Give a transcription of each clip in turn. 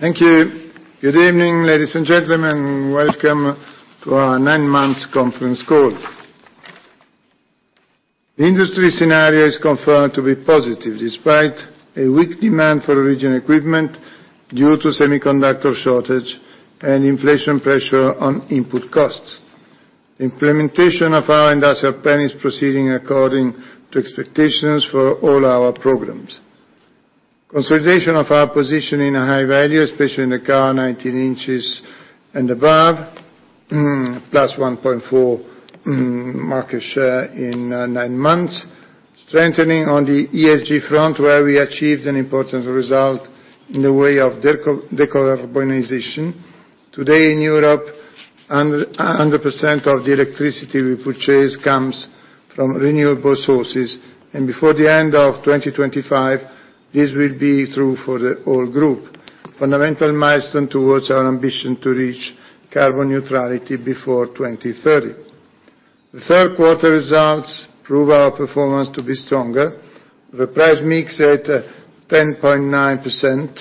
Thank you. Good evening, ladies and gentlemen. Welcome to our nine-month conference call. The industry scenario is confirmed to be positive despite a weak demand for original equipment due to semiconductor shortage and inflation pressure on input costs. Implementation of our industrial plan is proceeding according to expectations for all our programs. Consolidation of our position in High Value, especially in the car 19 in and above, +1.4% market share in nine months. Strengthening on the ESG front, where we achieved an important result in the way of decarbonization. Today in Europe, 100% of the electricity we purchase comes from renewable sources, and before the end of 2025, this will be true for the whole group. Fundamental milestone towards our ambition to reach carbon neutrality before 2030. The third quarter results prove our performance to be stronger. The price mix at 10.9%,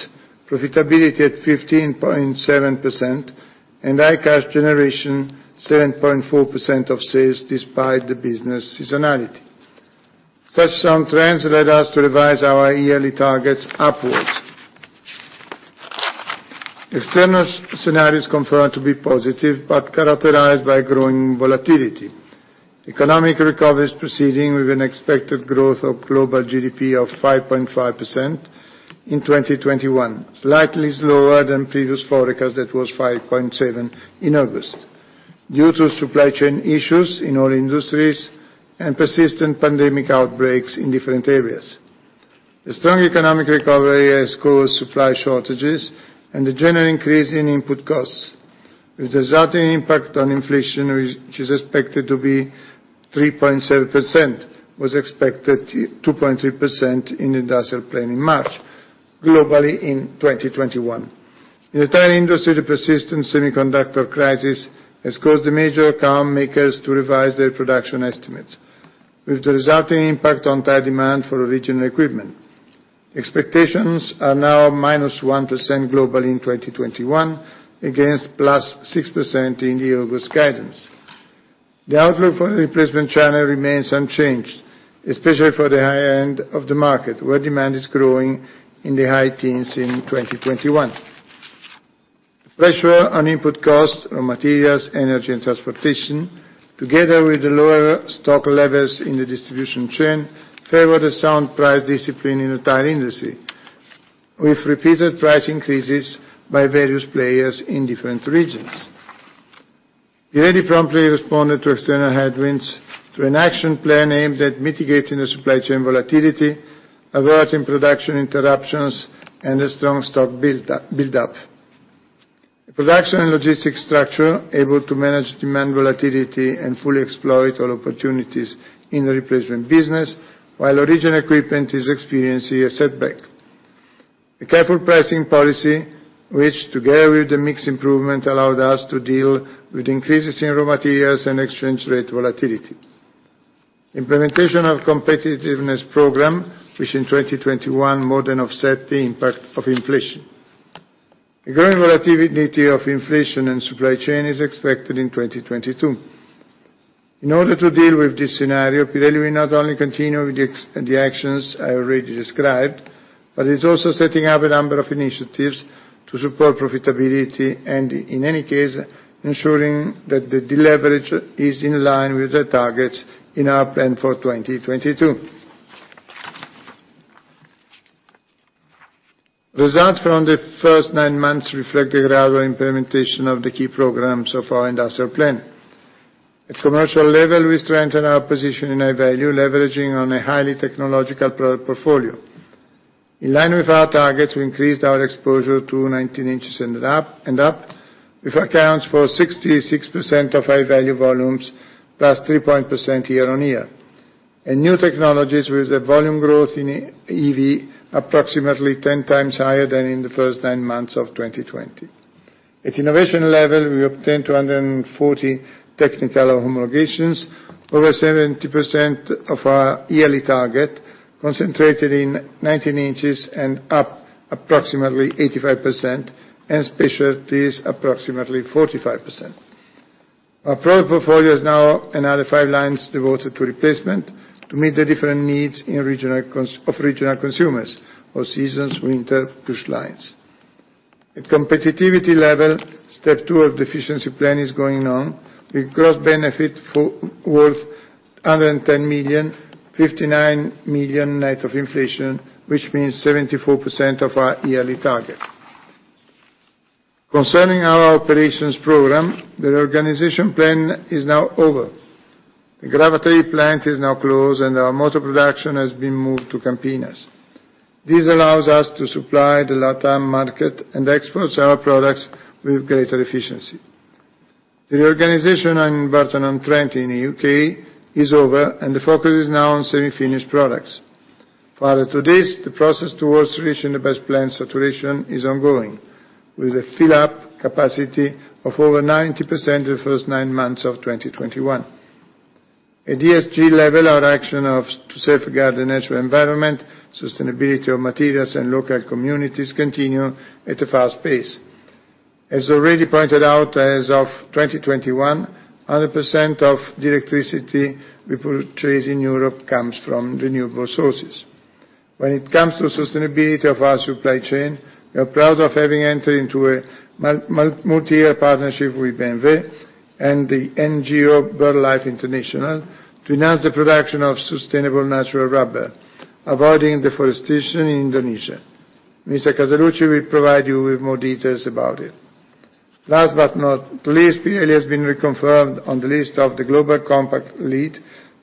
profitability at 15.7%, and high cash generation 7.4% of sales despite the business seasonality. Such sound trends led us to revise our yearly targets upwards. External scenario is confirmed to be positive but characterized by growing volatility. Economic recovery is proceeding with an expected growth of global GDP of 5.5% in 2021, slightly slower than previous forecast that was 5.7% in August, due to supply chain issues in all industries and persistent pandemic outbreaks in different areas. The strong economic recovery has caused supply shortages and a general increase in input costs, with the resulting impact on inflation, which is expected to be 3.7%, was expected 2.3% In industrial plan in March, globally in 2021. In the tire industry, the persistent semiconductor crisis has caused the major car makers to revise their production estimates with the resulting impact on tire demand for original equipment. Expectations are now -1% globally in 2021 against +6% in the August guidance. The outlook for the replacement channel remains unchanged, especially for the high end of the market, where demand is growing in the high teens in 2021. Pressure on input costs, raw materials, energy and transportation, together with the lower stock levels in the distribution chain, favor the sound price discipline in the tire industry, with repeated price increases by various players in different regions. Pirelli promptly responded to external headwinds through an action plan aimed at mitigating the supply chain volatility, avoiding production interruptions, and a strong stock buildup. Production and logistics structure able to manage demand volatility and fully exploit all opportunities in the replacement business while original equipment is experiencing a setback. A careful pricing policy, which together with the mix improvement, allowed us to deal with increases in raw materials and exchange rate volatility. Implementation of competitiveness program, which in 2021 more than offset the impact of inflation. A growing volatility of inflation and supply chain is expected in 2022. In order to deal with this scenario, Pirelli will not only continue with the existing actions I already described, but it's also setting up a number of initiatives to support profitability and, in any case, ensuring that the deleverage is in line with the targets in our plan for 2022. Results from the first nine months reflect the gradual implementation of the key programs of our industrial plan. At commercial level, we strengthened our position in High Value, leveraging on a highly technological product portfolio. In line with our targets, we increased our exposure to 19 in and up, which accounts for 66% of High Value volumes, +3% year-on-year. In new technologies, with a volume growth in EV approximately 10 times higher than in the first nine months of 2020. At innovation level, we obtained 240 technical homologations, over 70% of our yearly target, concentrated in 19 in and up approximately 85% and specialties approximately 45%. Our product portfolio has now another five lines devoted to replacement to meet the different needs of regional consumers, All-Seasons, winter, bus lines. At competitivity level, step two of the efficiency plan is going on with gross benefit of over 10 million, 59 million net of inflation, which means 74% of our yearly target. Concerning our operations program, the reorganization plan is now over. The Gravataí plant is now closed, and our motor production has been moved to Campinas. This allows us to supply the LATAM market and export our products with greater efficiency. The reorganization at Burton-on-Trent in the U.K. is over, and the focus is now on semi-finished products. Further to this, the process towards reaching the best plant saturation is ongoing, with a fill-up capacity of over 90% in the first nine months of 2021. At ESG level, our actions to safeguard the natural environment, sustainability of materials and local communities continue at a fast pace. As already pointed out, as of 2021, 100% of the electricity we purchase in Europe comes from renewable sources. When it comes to sustainability of our supply chain, we are proud of having entered into a multiyear partnership with BMW and the NGO BirdLife International to enhance the production of sustainable natural rubber, avoiding deforestation in Indonesia. Mr. Casaluci will provide you with more details about it. Last but not least, Pirelli has been reconfirmed on the list of the Global Compact Lead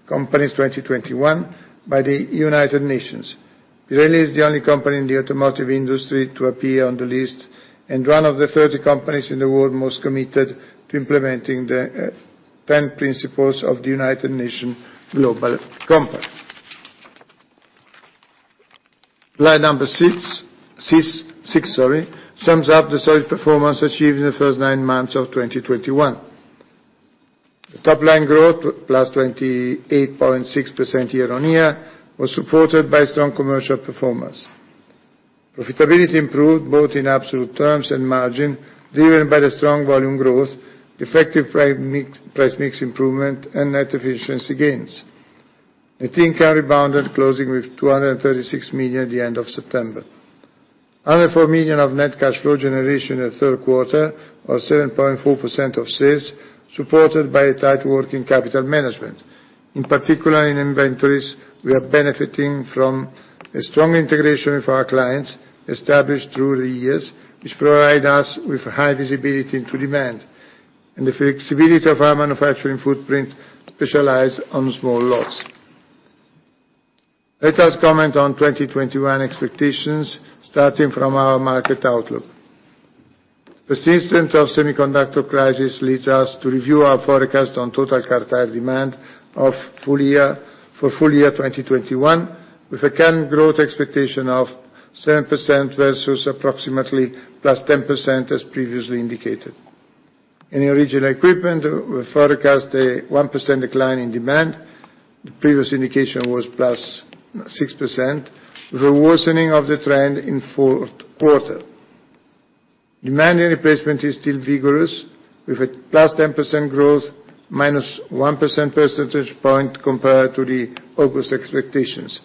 Companies 2021 by the United Nations. Pirelli is the only company in the automotive industry to appear on the list, and one of the 30 companies in the world most committed to implementing the ten principles of the United Nations Global Compact. Slide number six sums up the solid performance achieved in the first nine months of 2021. The top line growth, +28.6% year-on-year, was supported by strong commercial performance. Profitability improved, both in absolute terms and margin, driven by the strong volume growth, effective price mix, price mix improvement, and net efficiency gains. The net cash rebounded, closing with 236 million at the end of September. Of four million of net cash flow generation in the third quarter, or 7.4% of sales, supported by a tight working capital management. In particular, in inventories, we are benefiting from a strong integration with our clients established through the years, which provide us with high visibility into demand and the flexibility of our manufacturing footprint specialized on small lots. Let us comment on 2021 expectations, starting from our market outlook. Persistence of semiconductor crisis leads us to review our forecast on total car tire demand of full year, for full year 2021, with a current growth expectation of 7% versus approximately +10%, as previously indicated. In the original equipment, we forecast a 1% decline in demand. The previous indication was +6%, with a worsening of the trend in fourth quarter. Demand in replacement is still vigorous, with a +10% growth, -1 percentage point compared to the August expectations.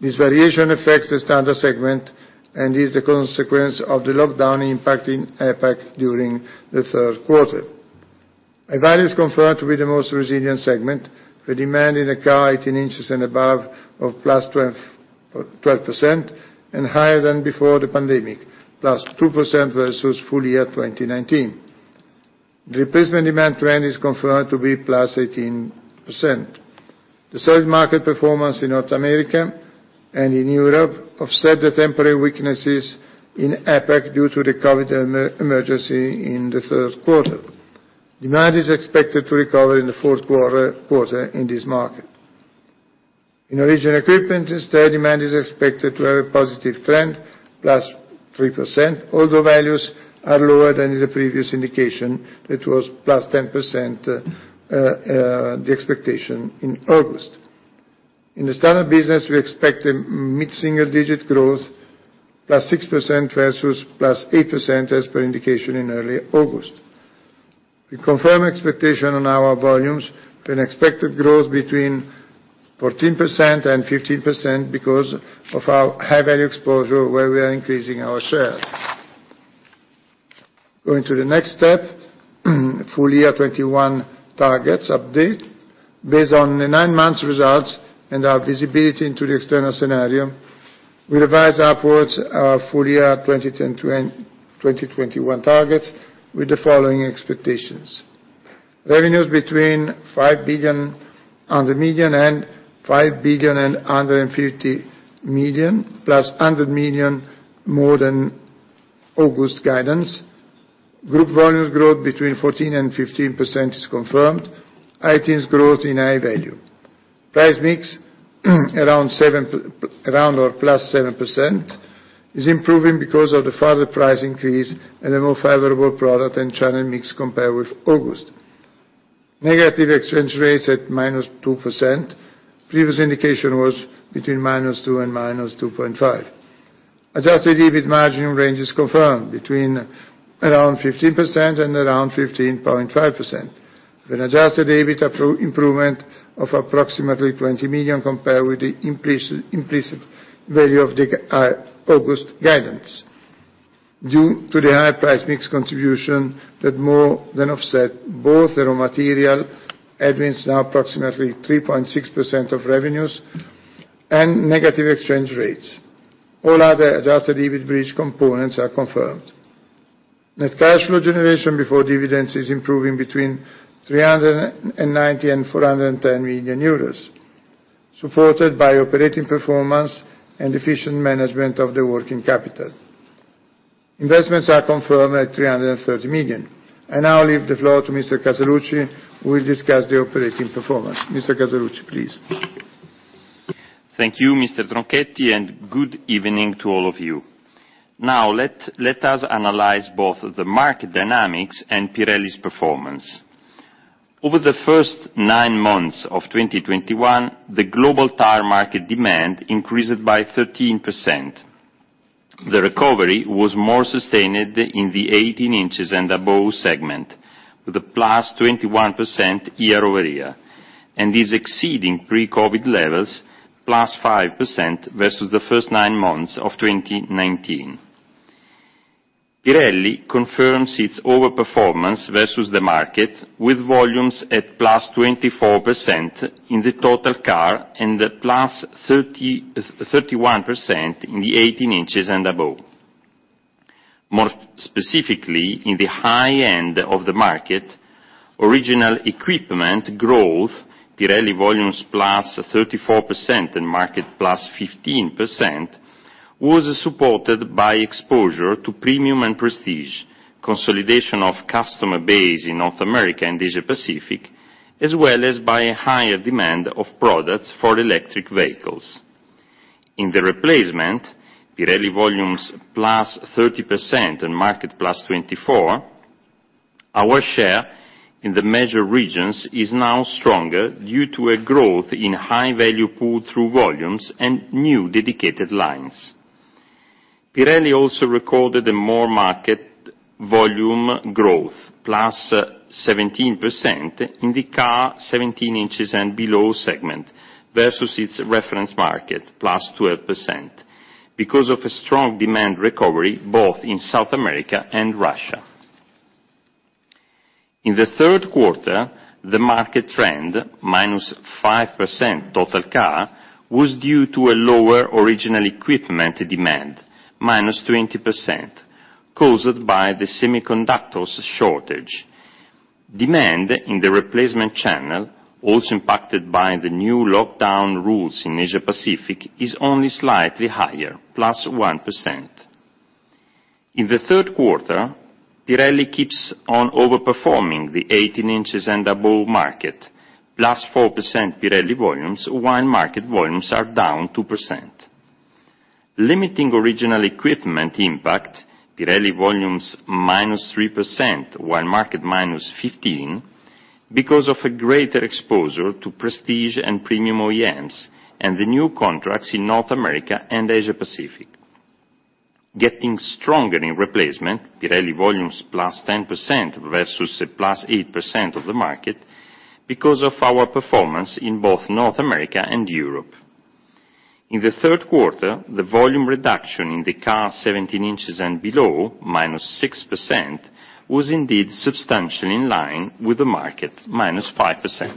This variation affects the Standard segment and is the consequence of the lockdown impacting APAC during the third quarter. High Value is confirmed to be the most resilient segment, with demand in a car 18 in and above of +12% and higher than before the pandemic, +2% versus full year 2019. Replacement demand trend is confirmed to be +18%. The sales market performance in North America and in Europe offset the temporary weaknesses in APAC due to the COVID emergency in the third quarter. Demand is expected to recover in the fourth quarter in this market. In original equipment instead, demand is expected to have a positive trend, +3%, although values are lower than in the previous indication. It was +10% the expectation in August. In the standard business, we expect a mid-single digit growth, +6% versus +8% as per indication in early August. We confirm expectation on our volumes with an expected growth between 14% and 15% because of our High Value exposure where we are increasing our shares. Going to the next step, full year 2021 targets update. Based on the nine months results and our visibility into the external scenario, we revise upwards our full year 2021 targets with the following expectations. Revenues between 5.1 billion and 5.15 billion, +100 million more than August guidance. Group volumes growth between 14% and 15% is confirmed. High-teens growth in high value. Price mix around +7% is improving because of the further price increase and a more favorable product and channel mix compared with August. Negative exchange rates at -2%. Previous indication was between -2% and -2.5%. Adjusted EBIT margin range is confirmed between around 15% and around 15.5%, with Adjusted EBIT improvement of approximately 20 million compared with the implicit value of the August guidance due to the higher price mix contribution that more than offset both the raw material, admin, now approximately 3.6% of revenues, and negative exchange rates. All other adjusted EBIT bridge components are confirmed. Net cash flow generation before dividends is improving between 390 million and 410 million euros, supported by operating performance and efficient management of the working capital. Investments are confirmed at 330 million. I now leave the floor to Mr. Casaluci, who will discuss the operating performance. Mr. Casaluci, please. Thank you, Mr. Tronchetti, and good evening to all of you. Now, let us analyze both the market dynamics and Pirelli's performance. Over the first nine months of 2021, the global tire market demand increased by 13%. The recovery was more sustained in the 18 in and above segment, with a +21% year-over-year, and is exceeding pre-COVID levels, +5% versus the first nine months of 2019. Pirelli confirms its overperformance versus the market with volumes at +24% in the total car and at +31% in the 18 in and above. More specifically, in the high end of the market, original equipment growth, Pirelli volumes +34% and market +15%, was supported by exposure to premium and prestige, consolidation of customer base in North America and Asia Pacific, as well as by a higher demand for products for electric vehicles. In the replacement, Pirelli volumes +30% and market +24%. Our share in the major regions is now stronger due to a growth in high-value pull-through volumes and new dedicated lines. Pirelli also recorded above-market volume growth, +17%, in the car 17 in and below segment versus its reference market, +12%, because of a strong demand recovery both in South America and Russia. In the third quarter, the market trend, -5% total car, was due to a lower original equipment demand, -20%, caused by the semiconductor shortage. Demand in the replacement channel, also impacted by the new lockdown rules in Asia Pacific, is only slightly higher, +1%. In the third quarter, Pirelli keeps on overperforming the 18 in and above market, +4% Pirelli volumes while market volumes are down 2%. Limiting original equipment impact, Pirelli volumes -3% while market -15%, because of a greater exposure to prestige and premium OEMs and the new contracts in North America and Asia Pacific. Getting stronger in replacement, Pirelli volumes +10% versus a +8% of the market because of our performance in both North America and Europe. In the third quarter, the volume reduction in the car 17 in and below, -6%, was indeed substantially in line with the market, -5%.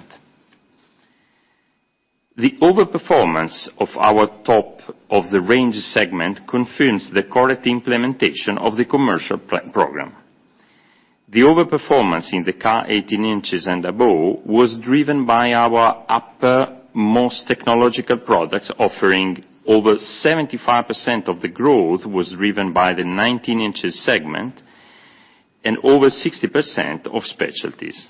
The overperformance of our Top of the Range segment confirms the correct implementation of the commercial program. The overperformance in the car 18 in and above was driven by our uppermost technological products offering, over 75% of the growth was driven by the 19 in segment and over 60% of specialties.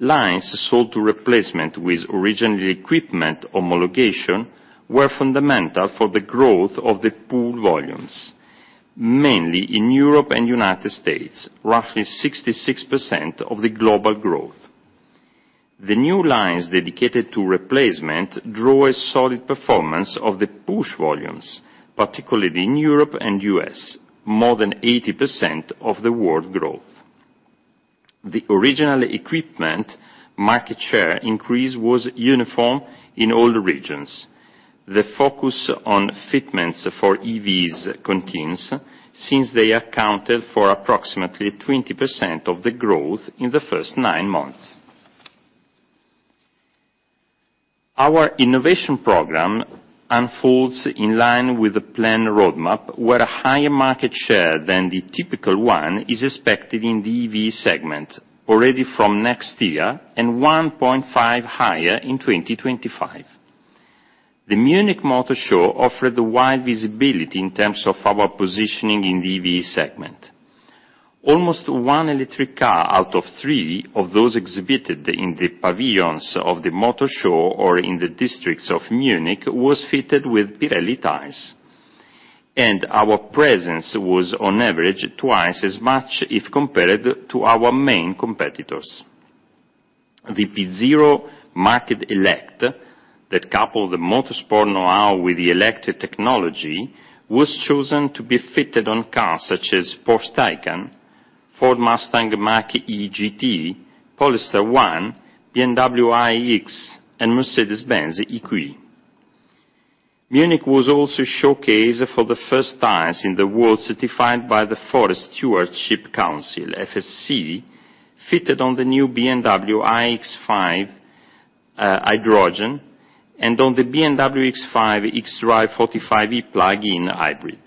Lines sold to replacement with original equipment homologation were fundamental for the growth of the pull-through volumes, mainly in Europe and United States, roughly 66% of the global growth. The new lines dedicated to replacement drew a solid performance of the push volumes, particularly in Europe and U.S., more than 80% of the world growth. The original equipment market share increase was uniform in all the regions. The focus on fitments for EVs continues since they accounted for approximately 20% of the growth in the first nine months. Our innovation program unfolds in line with the plan roadmap, where a higher market share than the typical one is expected in the EV segment already from next year and 1.5% higher in 2025. The Munich Motor Show offered wide visibility in terms of our positioning in the EV segment. Almost one electric car out of three of those exhibited in the pavilions of the Motor Show or in the districts of Munich was fitted with Pirelli tires. Our presence was on average twice as much if compared to our main competitors. The P Zero ELECT that coupled the motorsport know-how with the electric technology was chosen to be fitted on cars such as PORSCHE TAYCAN, FORD MUSTANG MACH-E GT, POLESTAR 1, BMW IX, and MERCEDES-BENZ EQE. Munich was also a showcase for the first tires in the world certified by the Forest Stewardship Council, FSC, fitted on the new BMW X5 Hydrogen and on the BMW X5 XDRIVE45E plug-in hybrid.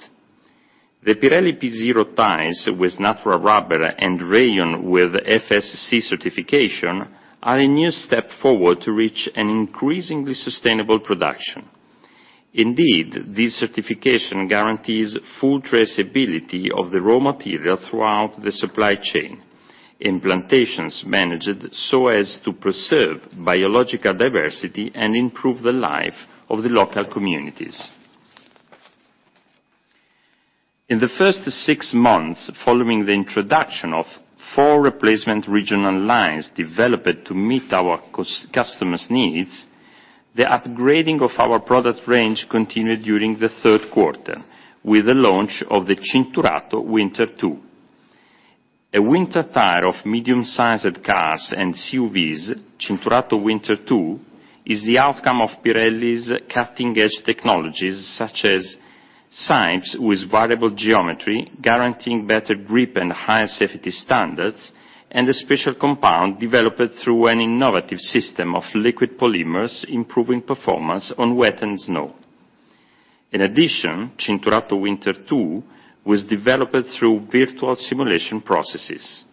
The Pirelli P Zero tires with natural rubber and rayon with FSC certification are a new step forward to reach an increasingly sustainable production. Indeed, this certification guarantees full traceability of the raw material throughout the supply chain, in plantations managed so as to preserve biological diversity and improve the life of the local communities. In the first six months following the introduction of four replacement regional lines developed to meet our customers' needs, the upgrading of our product range continued during the third quarter, with the launch of the CINTURATO WINTER 2. A winter tire of medium-sized cars and SUVs, CINTURATO WINTER 2, is the outcome of Pirelli's cutting-edge technologies, such as sipes with variable geometry, guaranteeing better grip and higher safety standards, and a special compound developed through an innovative system of liquid polymers, improving performance on wet and snow. In addition, CINTURATO WINTER 2 was developed through virtual simulation processes.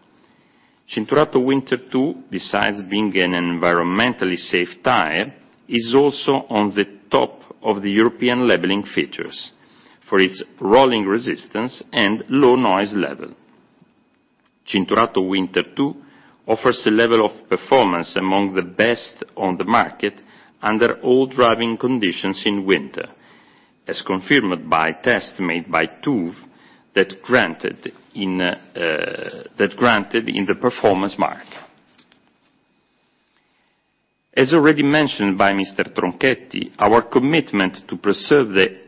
CINTURATO WINTER 2, besides being an environmentally safe tire, is also on the top of the European labeling features for its rolling resistance and low noise level. CINTURATO WINTER 2 offers a level of performance among the best on the market under all driving conditions in winter, as confirmed by tests made by TÜV that granted it the performance mark. As already mentioned by Mr. Tronchetti, our commitment to preserve the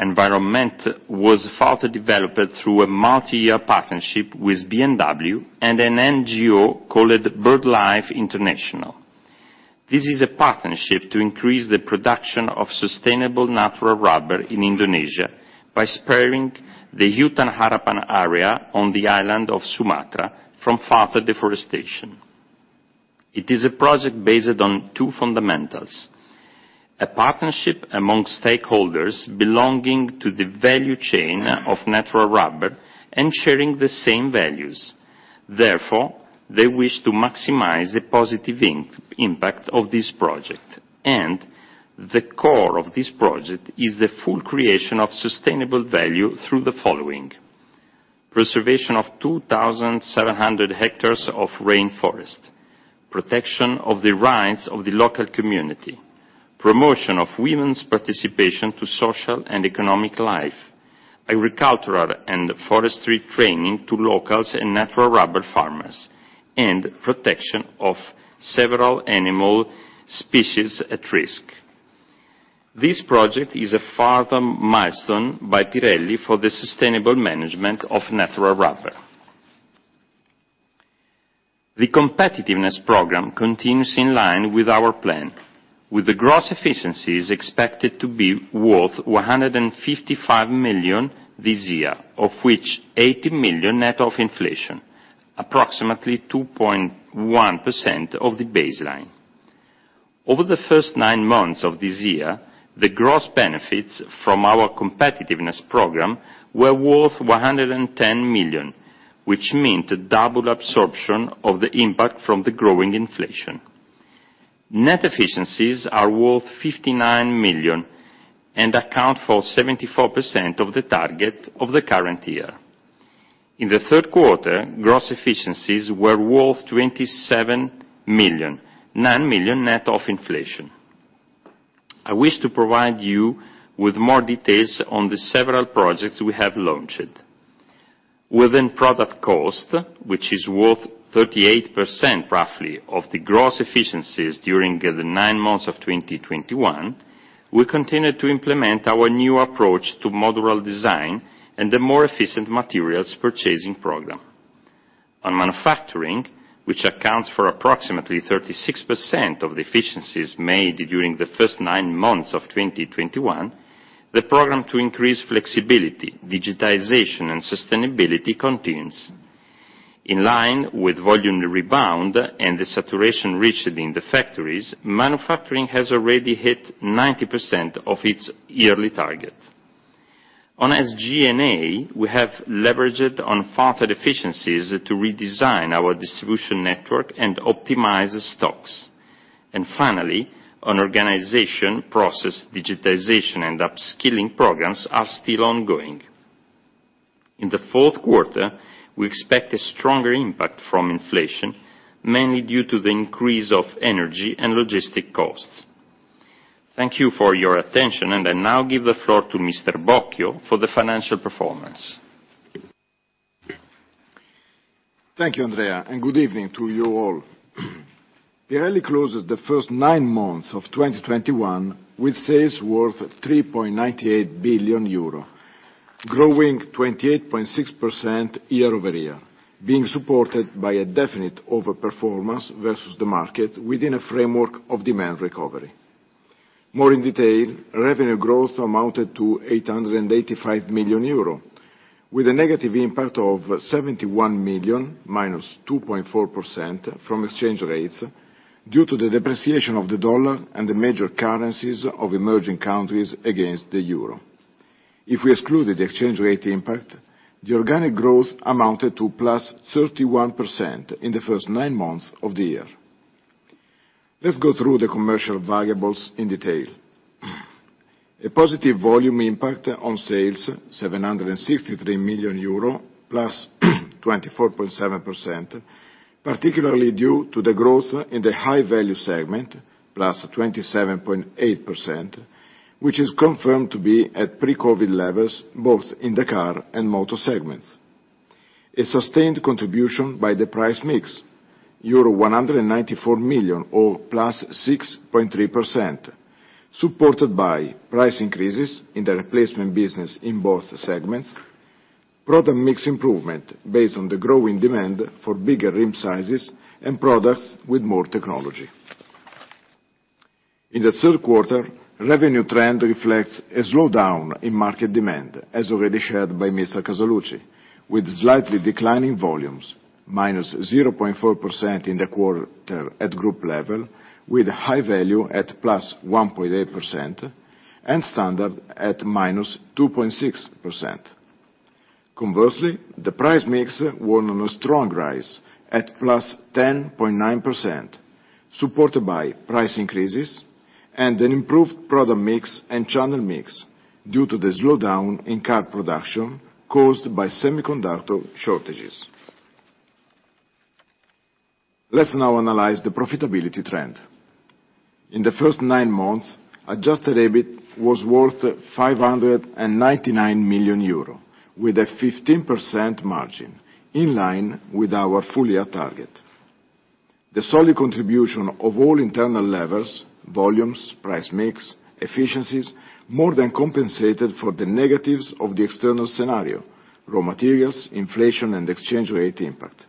environment was further developed through a multi-year partnership with BMW and an NGO called BirdLife International. This is a partnership to increase the production of sustainable natural rubber in Indonesia by sparing the Hutan Harapan area on the island of Sumatra from further deforestation. It is a project based on two fundamentals: a partnership among stakeholders belonging to the value chain of natural rubber and sharing the same values. Therefore, they wish to maximize the positive impact of this project. The core of this project is the full creation of sustainable value through the following: preservation of 2,700 hectares of rainforest, protection of the rights of the local community, promotion of women's participation to social and economic life, agricultural and forestry training to locals and natural rubber farmers, and protection of several animal species at risk. This project is a further milestone by Pirelli for the sustainable management of natural rubber. The competitiveness program continues in line with our plan, with the gross efficiencies expected to be worth 155 million this year, of which 80 million net of inflation, approximately 2.1% of the baseline. Over the first nine months of this year, the gross benefits from our competitiveness program were worth 110 million, which mean to double absorption of the impact from the growing inflation. Net efficiencies are worth 59 million and account for 74% of the target of the current year. In the third quarter, gross efficiencies were worth 27 million, 9 million net of inflation. I wish to provide you with more details on the several projects we have launched. Within product cost, which is worth 38%, roughly, of the gross efficiencies during the nine months of 2021, we continue to implement our new approach to modular design and the more efficient materials purchasing program. On manufacturing, which accounts for approximately 36% of the efficiencies made during the first nine months of 2021, the program to increase flexibility, digitization, and sustainability continues. In line with volume rebound and the saturation reached in the factories, manufacturing has already hit 90% of its yearly target. On SG&A, we have leveraged on further efficiencies to redesign our distribution network and optimize stocks. Finally, on organization process, digitization and upskilling programs are still ongoing. In the fourth quarter, we expect a stronger impact from inflation, mainly due to the increase of energy and logistic costs. Thank you for your attention, and I now give the floor to Mr. Bocchio for the financial performance. Thank you, Andrea, and good evening to you all. Pirelli closes the first nine months of 2021 with sales worth 3.98 billion euro, growing 28.6% year-over-year, being supported by a definite overperformance versus the market within a framework of demand recovery. More in detail, revenue growth amounted to 885 million euro, with a negative impact of 71 million, -2.4% from exchange rates due to the depreciation of the dollar and the major currencies of emerging countries against the euro. If we excluded the exchange rate impact, the organic growth amounted to +31% in the first nine months of the year. Let's go through the commercial variables in detail. A positive volume impact on sales, 763 million euro, +24.7%, particularly due to the growth in the High Value segment, +27.8%, which is confirmed to be at pre-COVID levels, both in the Car and Moto segments. A sustained contribution by the price mix, euro 194 million or +6.3%, supported by price increases in the replacement business in both segments. Product mix improvement based on the growing demand for bigger rim sizes and products with more technology. In the third quarter, revenue trend reflects a slowdown in market demand, as already shared by Mr. Casaluci, with slightly declining volumes, -0.4% in the quarter at group level, with High Value at +1.8% and standard at -2.6%. Conversely, the price mix was on a strong rise at +10.9%, supported by price increases and an improved product mix and channel mix due to the slowdown in car production caused by semiconductor shortages. Let's now analyze the profitability trend. In the first nine months, Adjusted EBIT was worth 599 million euro, with a 15% margin, in line with our full year target. The solid contribution of all internal levers, volumes, price mix, efficiencies, more than compensated for the negatives of the external scenario, raw materials, inflation, and exchange rate impact.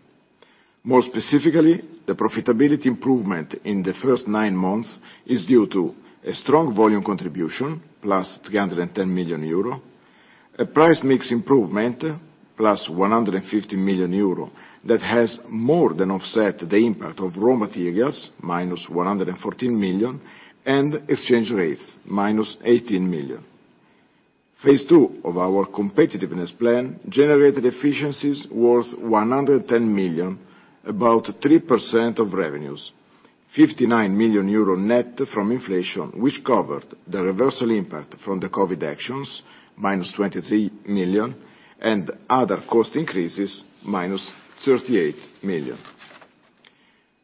More specifically, the profitability improvement in the first nine months is due to a strong volume contribution, +310 million euro, a price mix improvement, +150 million euro, that has more than offset the impact of raw materials, -114 million, and exchange rates, -18 million. Phase II of our competitiveness plan generated efficiencies worth 110 million, about 3% of revenues. 59 million euro net from inflation, which covered the reversal impact from the COVID actions, -23 million, and other cost increases, -38 million. A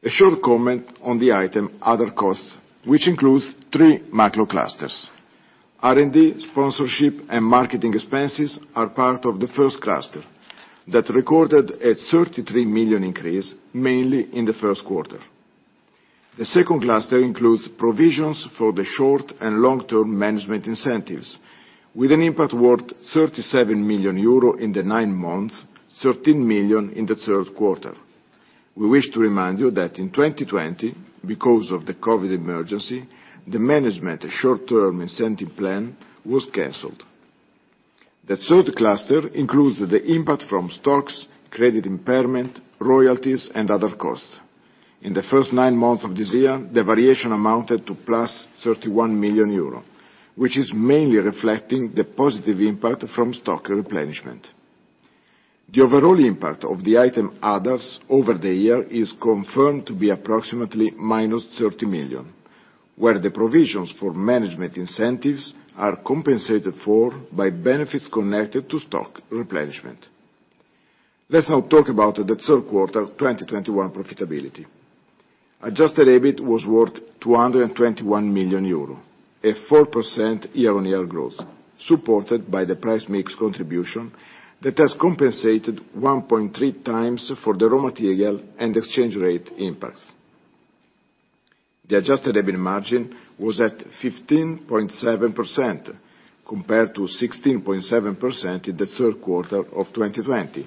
short comment on the item, other costs, which includes three macro clusters. R&D, sponsorship, and marketing expenses are part of the first cluster that recorded a 33 million increase, mainly in the first quarter. The second cluster includes provisions for the short and long-term management incentives, with an impact worth 37 million euro in the nine months, 13 million in the third quarter. We wish to remind you that in 2020, because of the COVID emergency, the management short-term incentive plan was canceled. The third cluster includes the impact from stocks, credit impairment, royalties, and other costs. In the first nine months of this year, the variation amounted to +31 million euro, which is mainly reflecting the positive impact from stock replenishment. The overall impact of the item others over the year is confirmed to be approximately -30 million, where the provisions for management incentives are compensated for by benefits connected to stock replenishment. Let's now talk about the third quarter 2021 profitability. Adjusted EBIT was worth 221 million euro, a 4% year-on-year growth, supported by the price mix contribution that has compensated 1.3x for the raw material and exchange rate impacts. The Adjusted EBIT margin was at 15.7% compared to 16.7% in the third quarter of 2020,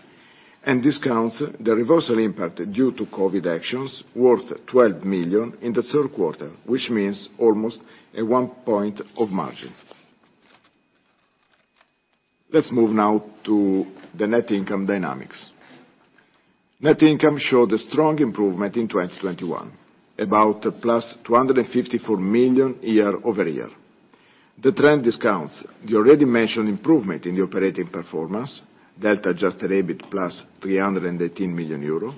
and this counts the reversal impact due to COVID actions worth 12 million in the third quarter, which means almost a one point of margin. Let's move now to the net income dynamics. Net income showed a strong improvement in 2021, about +254 million year-over-year. The trend discounts the already mentioned improvement in the operating performance, Delta Adjusted EBIT +318 million euro,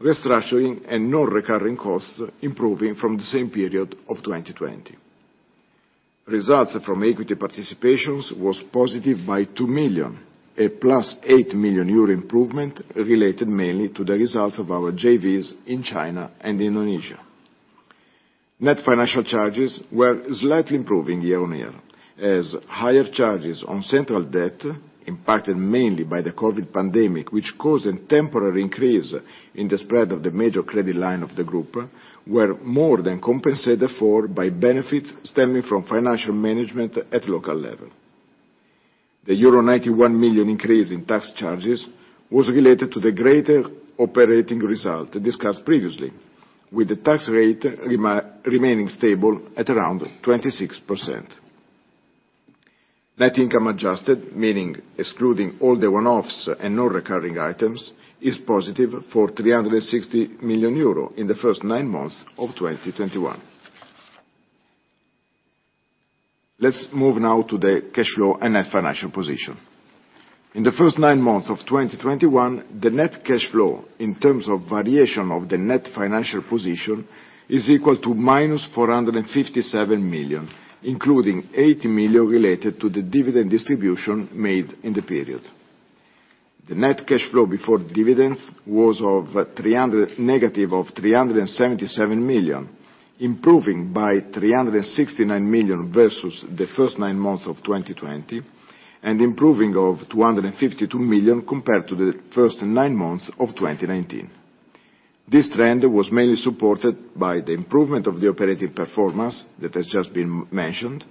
restructuring and non-recurring costs improving from the same period of 2020. Results from Equity participations was positive by 2 million, a +8 million euro improvement related mainly to the results of our JVs in China and Indonesia. Net financial charges were slightly improving year-on-year, as higher charges on central debt impacted mainly by the COVID pandemic, which caused a temporary increase in the spread of the major credit line of the group, were more than compensated for by benefits stemming from financial management at local level. The euro 91 million increase in tax charges was related to the greater operating result discussed previously, with the tax rate remaining stable at around 26%. Net income adjusted, meaning excluding all the one-offs and non-recurring items, is positive for 360 million euro in the first nine months of 2021. Let's move now to the cash flow and net financial position. In the first nine months of 2021, the net cash flow in terms of variation of the net financial position is equal to -457 million, including 80 million related to the dividend distribution made in the period. The net cash flow before dividends was -377 million, improving by 369 million versus the first nine months of 2020, and improving of 252 million compared to the first nine months of 2019. This trend was mainly supported by the improvement of the operating performance that has just been mentioned.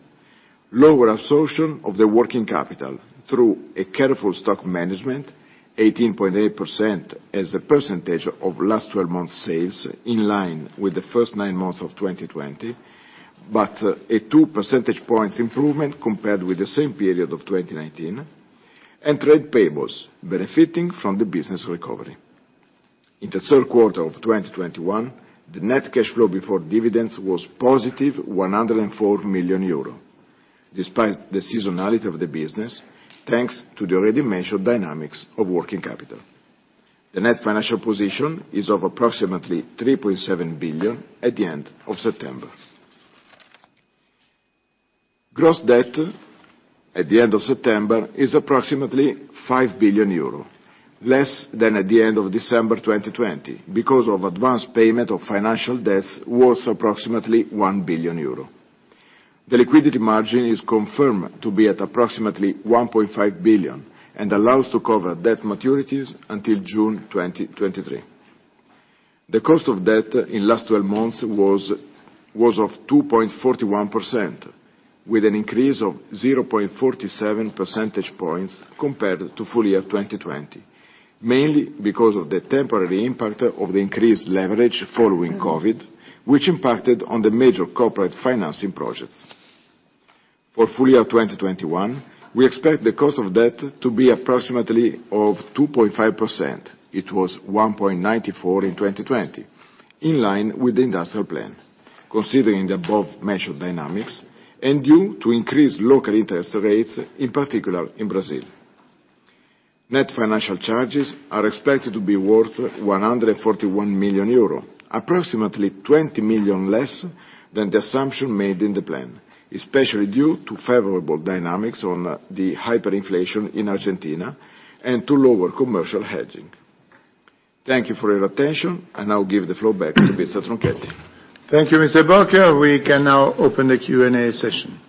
Lower absorption of the working capital through a careful stock management, 18.8% as a percentage of last 12 months sales, in line with the first nine months of 2020, but a 2 percentage points improvement compared with the same period of 2019, and trade payables benefiting from the business recovery. In the third quarter of 2021, the net cash flow before dividends was +104 million euro, despite the seasonality of the business, thanks to the already mentioned dynamics of working capital. The net financial position is of approximately 3.7 billion at the end of September. Gross debt at the end of September is approximately 5 billion euro, less than at the end of December 2020 because of advanced payment of financial debts worth approximately 1 billion euro. The liquidity margin is confirmed to be at approximately 1.5 billion, and allows to cover debt maturities until June 2023. The cost of debt in last 12 months was of 2.41%, with an increase of 0.47 percentage points compared to full year 2020, mainly because of the temporary impact of the increased leverage following COVID, which impacted on the major corporate financing projects. For full year 2021, we expect the cost of debt to be approximately of 2.5%. It was 1.94% in 2020, in line with the industrial plan, considering the above mentioned dynamics and due to increased local interest rates, in particular in Brazil. Net financial charges are expected to be worth 141 million euro, approximately 20 million less than the assumption made in the plan, especially due to favorable dynamics on the hyperinflation in Argentina and to lower commercial hedging. Thank you for your attention, and I'll give the floor back to Mr. Tronchetti. Thank you, Mr. Bocchio. We can now open the Q&A session.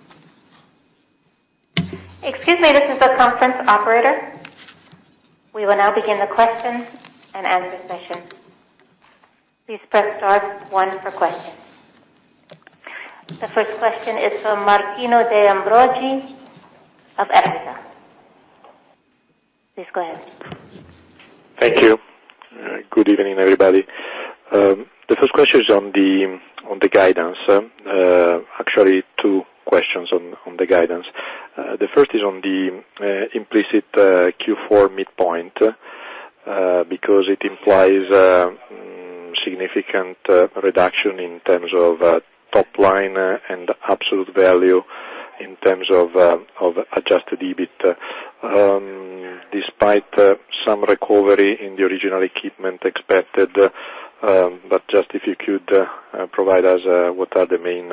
Excuse me. This is the conference operator. We will now begin the question-and-answer session. Please press star one for questions. The first question is from Martino De Ambroggi of Equita. Please go ahead. Thank you. Good evening, everybody. The first question is on the guidance. Actually, two questions on the guidance. The first is on the implicit Q4 midpoint, because it implies significant reduction in terms of top line and absolute value in terms of Adjusted EBIT, despite some recovery in the original equipment expected. Just if you could provide us what are the main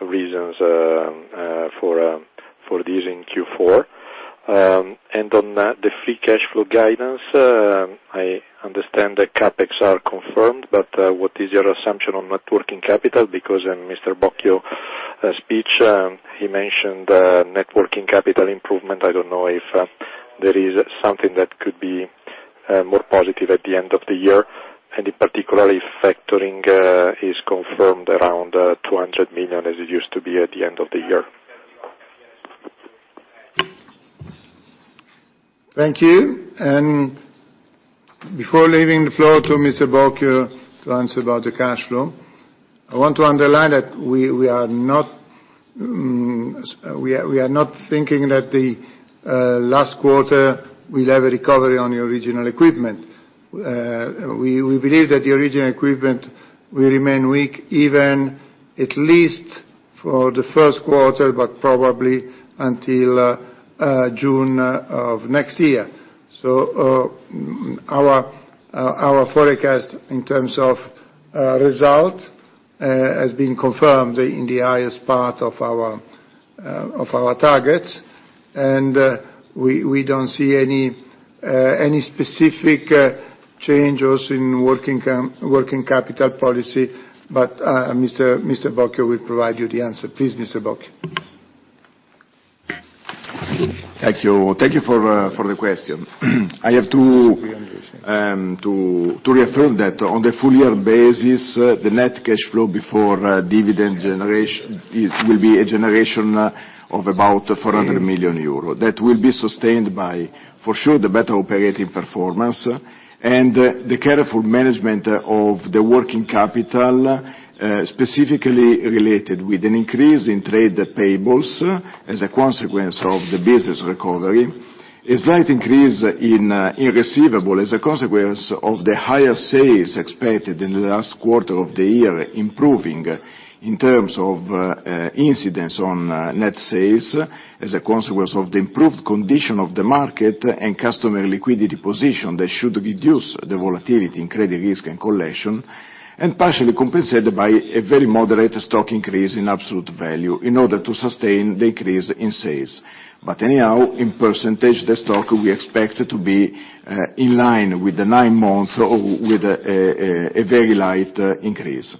reasons for these in Q4? On the free cash flow guidance, I understand the CapEx are confirmed, but what is your assumption on net working capital? Because in Mr. Bocchio speech, he mentioned net working capital improvement. I don't know if there is something that could be more positive at the end of the year. In particular if factoring is confirmed around 200 million, as it used to be at the end of the year. Thank you. Before leaving the floor to Mr. Bocchio to answer about the cash flow, I want to underline that we are not thinking that the last quarter will have a recovery on the original equipment. We believe that the original equipment will remain weak even at least for the first quarter, but probably until June of next year. Our forecast in terms of results has been confirmed in the highest part of our targets, and we don't see any specific change also in working capital policy. Mr. Bocchio will provide you the answer. Please, Mr. Bocchio. Thank you for the question. I have to reaffirm that on the full-year basis, the net cash flow before dividend generation will be a generation of about 400 million euros. That will be sustained by, for sure, the better operating performance and the careful management of the working capital, specifically related with an increase in trade payables as a consequence of the business recovery and a slight increase in receivables as a consequence of the higher sales expected in the last quarter of the year, improving in terms of incidence on net sales as a consequence of the improved condition of the market and customer liquidity position that should reduce the volatility in credit risk and collection. Partially compensated by a very moderate stock increase in absolute value in order to sustain the increase in sales. Anyhow, in percentage, the stock we expect to be in line with the nine-month or with a very light increase.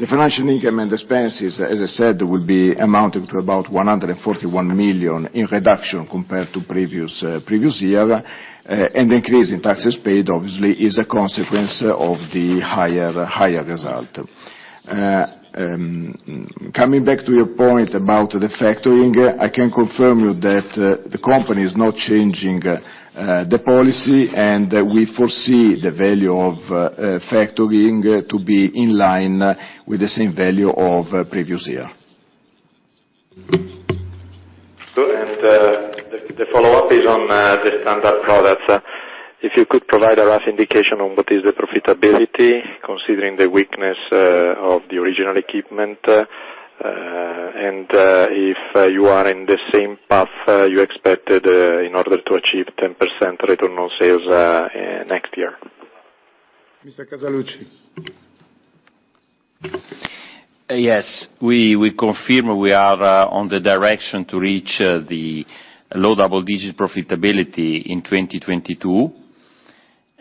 The financial income and expenses, as I said, will be amounting to about 141 million in reduction compared to previous year. The increase in taxes paid obviously is a consequence of the higher result. Coming back to your point about the factoring, I can confirm to you that the company is not changing the policy, and we foresee the value of factoring to be in line with the same value of previous year. Good. The follow-up is on the standard products. If you could provide a rough indication on what is the profitability considering the weakness of the original equipment, and if you are in the same path you expected in order to achieve 10% return on sales next year. Mr. Casaluci. Yes. We confirm we are on the direction to reach the low double-digit profitability in 2022.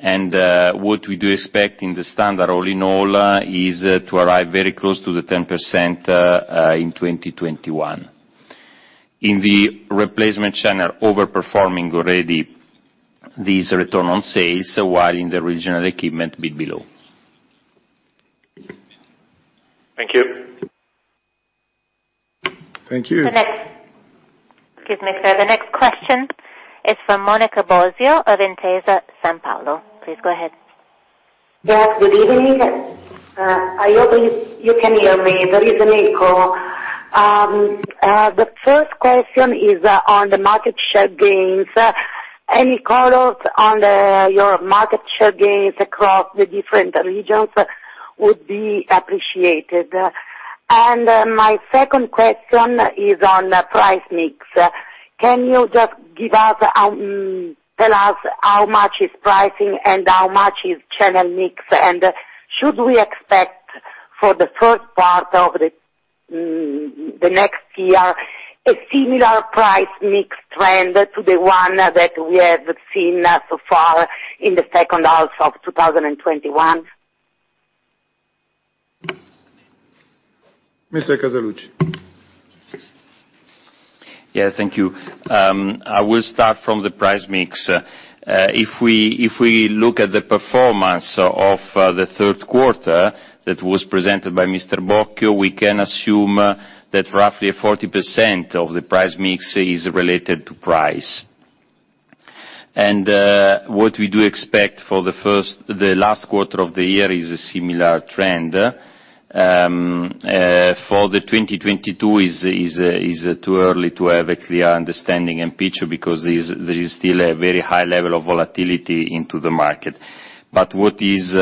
What we do expect all in all is to arrive very close to the 10% in 2021. In the replacement channel overperforming already this return on sales while in the original equipment a bit below. Thank you. Thank you. Excuse me, sir. The next question is from Monica Bosio of Intesa SanPaolo. Please go ahead. Yes, good evening. I hope you can hear me. There is an echo. The first question is on the market share gains. Any colors on your market share gains across the different regions would be appreciated. My second question is on price mix. Can you just tell us how much is pricing and how much is channel mix? Should we expect for the first part of the next year a similar price mix trend to the one that we have seen so far in the second half of 2021? Mr. Casaluci. Yeah. Thank you. I will start from the price mix. If we look at the performance of the third quarter that was presented by Mr. Bocchio, we can assume that roughly 40% of the price mix is related to price. What we expect for the last quarter of the year is a similar trend. For 2022 is too early to have a clear understanding and picture because there is still a very high level of volatility into the market. But what is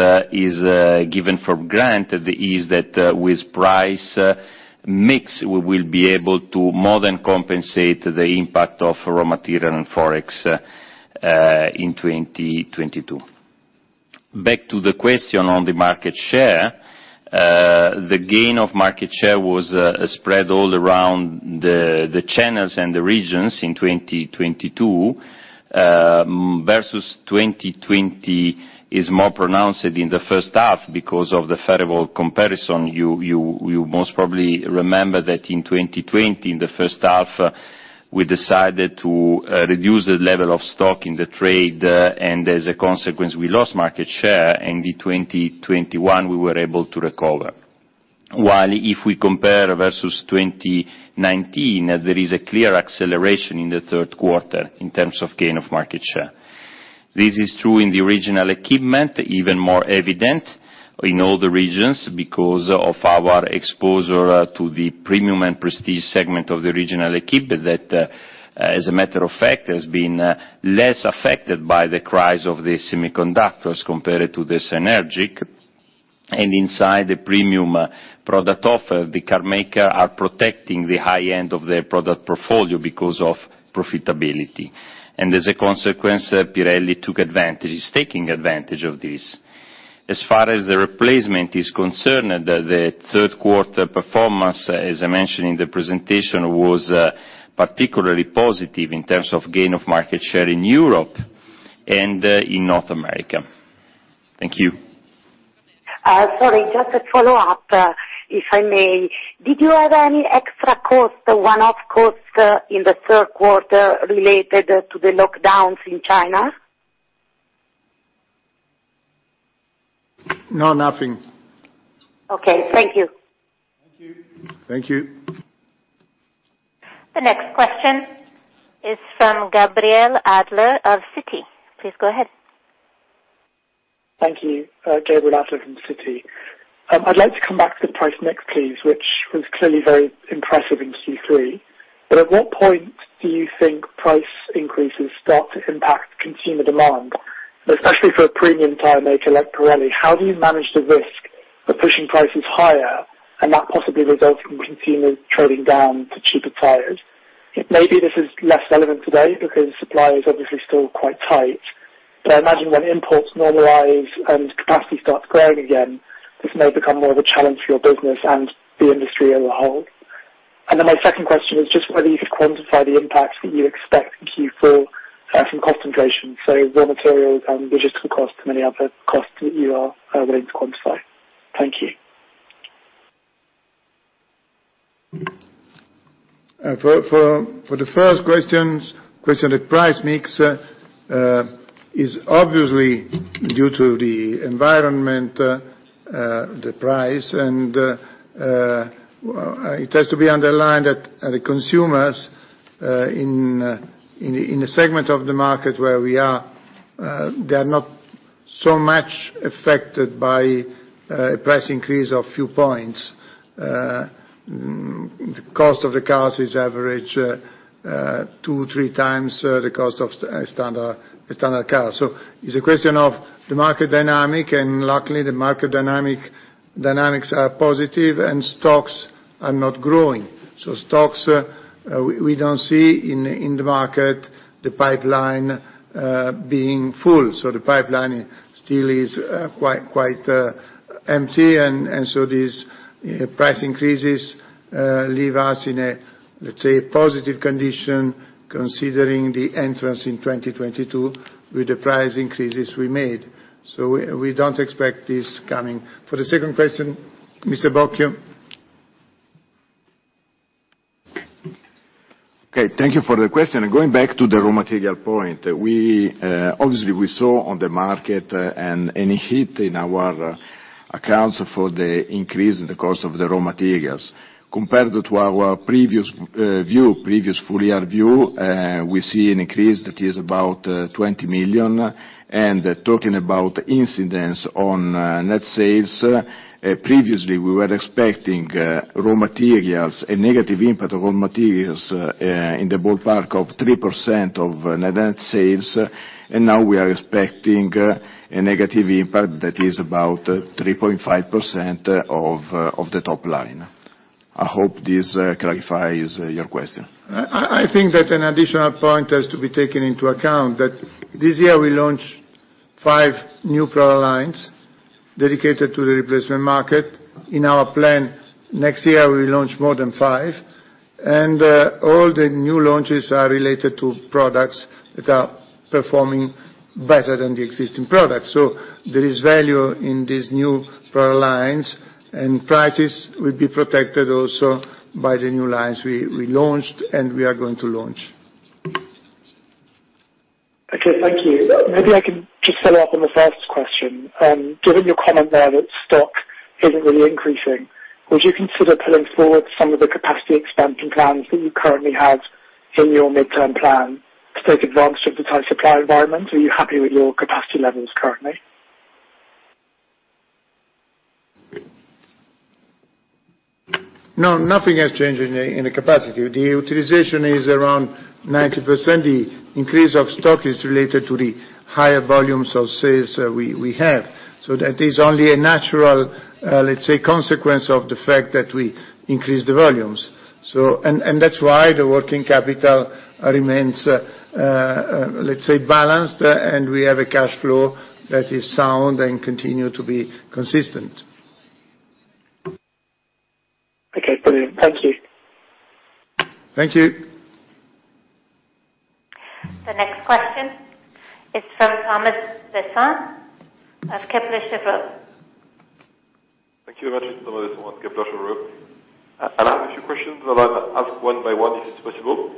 given for granted is that with price mix, we will be able to more than compensate the impact of raw material and forex in 2022. Back to the question on the market share. The gain of market share was spread all around the channels and the regions in 2022, versus 2020 is more pronounced in the first half because of the favorable comparison. You most probably remember that in 2020, in the first half, we decided to reduce the level of stock in the trade, and as a consequence, we lost market share. In 2021, we were able to recover. If we compare versus 2019, there is a clear acceleration in the third quarter in terms of gain of market share. This is true in the original equipment, even more evident in all the regions because of our exposure to the Premium and Prestige segment of the original equipment that, as a matter of fact, has been less affected by the crisis of the semiconductors compared to the Synergic. Inside the Premium product offer, the carmakers are protecting the high end of their product portfolio because of profitability. As a consequence, Pirelli took advantage, is taking advantage of this. As far as the replacement is concerned, the third quarter performance, as I mentioned in the presentation, was particularly positive in terms of gain of market share in Europe and in North America. Thank you. Sorry, just a follow-up, if I may. Did you have any extra cost, one-off cost in the third quarter related to the lockdowns in China? No, nothing. Okay. Thank you. Thank you. Thank you. The next question is from Gabriel Adler of Citi. Please go ahead. Thank you. Gabriel Adler from Citi. I'd like to come back to the price mix, please, which was clearly very impressive in Q3. At what point do you think price increases start to impact consumer demand, especially for a premium tire maker like Pirelli? How do you manage the risk of pushing prices higher and that possibly resulting in consumers trading down to cheaper tires? It may be this is less relevant today because supply is obviously still quite tight. I imagine when imports normalize and capacity starts growing again, this may become more of a challenge for your business and the industry as a whole. Then my second question is just whether you could quantify the impacts that you expect in Q4 from cost concentrations, raw materials and logistical costs and any other costs that you are willing to quantify. Thank you. For the first question, the price mix is obviously due to the environment, the price and it has to be underlined that the consumers in a segment of the market where we are, they are not so much affected by price increase of few points. The cost of the cars is average two-to-three times the cost of standard car. It's a question of the market dynamic, and luckily, the market dynamics are positive and stocks are not growing. Stocks, we don't see in the market, the pipeline being full. The pipeline still is quite empty and so these price increases leave us in a, let's say, positive condition considering the entrance in 2022 with the price increases we made. We don't expect this coming. For the second question, Mr. Bocchio. Okay, thank you for the question. Going back to the raw material point, we obviously saw an impact in our accounts for the increase in the cost of the raw materials. Compared to our previous full year view, we see an increase that is about 20 million. Talking about impact on net sales, previously we were expecting a negative impact of raw materials in the ballpark of 3% of net sales. Now we are expecting a negative impact that is about 3.5% of the top line. I hope this clarifies your question. I think that an additional point has to be taken into account that this year we launched five new product lines dedicated to the replacement market. In our plan, next year, we launch more than five. All the new launches are related to products that are performing better than the existing products. There is value in these new product lines, and prices will be protected also by the new lines we launched, and we are going to launch. Okay, thank you. Maybe I can just follow up on the first question. Given your comment there that stock isn't really increasing, would you consider pulling forward some of the capacity expansion plans that you currently have in your midterm plan to take advantage of the tight supply environment? Are you happy with your capacity levels currently? No, nothing has changed in a capacity. The utilization is around 90%. The increase of stock is related to the higher volumes of sales we have. That is only a natural, let's say, consequence of the fact that we increase the volumes. That's why the working capital remains, let's say, balanced, and we have a cash flow that is sound and continue to be consistent. Okay. Brilliant. Thank you. Thank you. The next question is from Thomas Besson of Kepler Cheuvreux. Thank you very much. Thomas Besson, Kepler Cheuvreux. I have a few questions, and I'll ask one by one, if it's possible.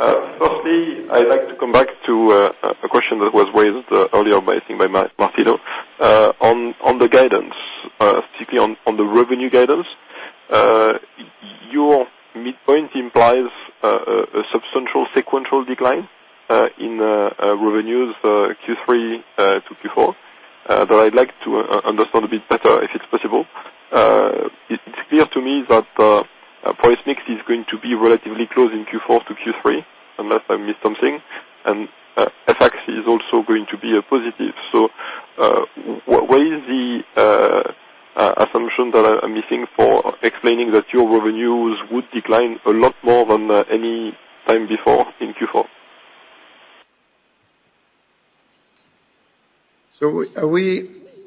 Firstly, I'd like to come back to a question that was raised earlier by, I think, Martino De Ambroggi on the guidance, specifically on the revenue guidance. Your midpoint implies a substantial sequential decline in revenues, Q3 to Q4, that I'd like to understand a bit better, if it's possible. It's clear to me that price mix is going to be relatively close in Q4 to Q3, unless I missed something. FX is also going to be a positive. What is the assumption that I'm missing for explaining that your revenues would decline a lot more than any time before in Q4?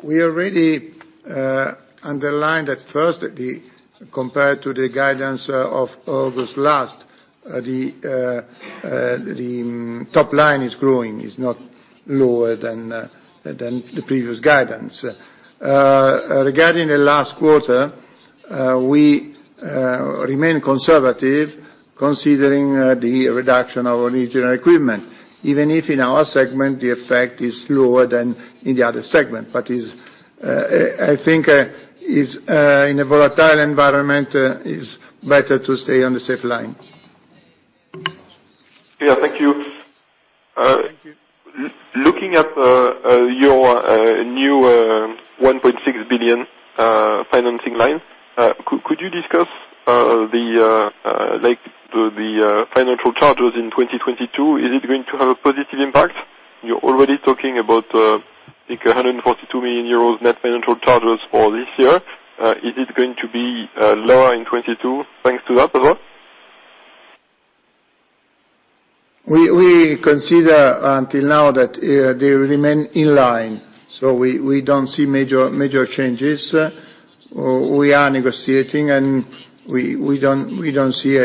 We already underlined at first that compared to the guidance of last August, the top line is growing. It's not lower than the previous guidance. Regarding the last quarter, we remain conservative considering the reduction of original equipment. Even if in our segment the effect is lower than in the other segment. It is, I think, better to stay on the safe line in a volatile environment. Yeah, thank you. Thank you. Looking at your new 1.6 billion financing line, could you discuss like the financial charges in 2022? Is it going to have a positive impact? You're already talking about, I think, 142 million euros net financial charges for this year. Is it going to be lower in 2022, thanks to that as well? We consider until now that they remain in line, so we don't see major changes. We are negotiating and we don't see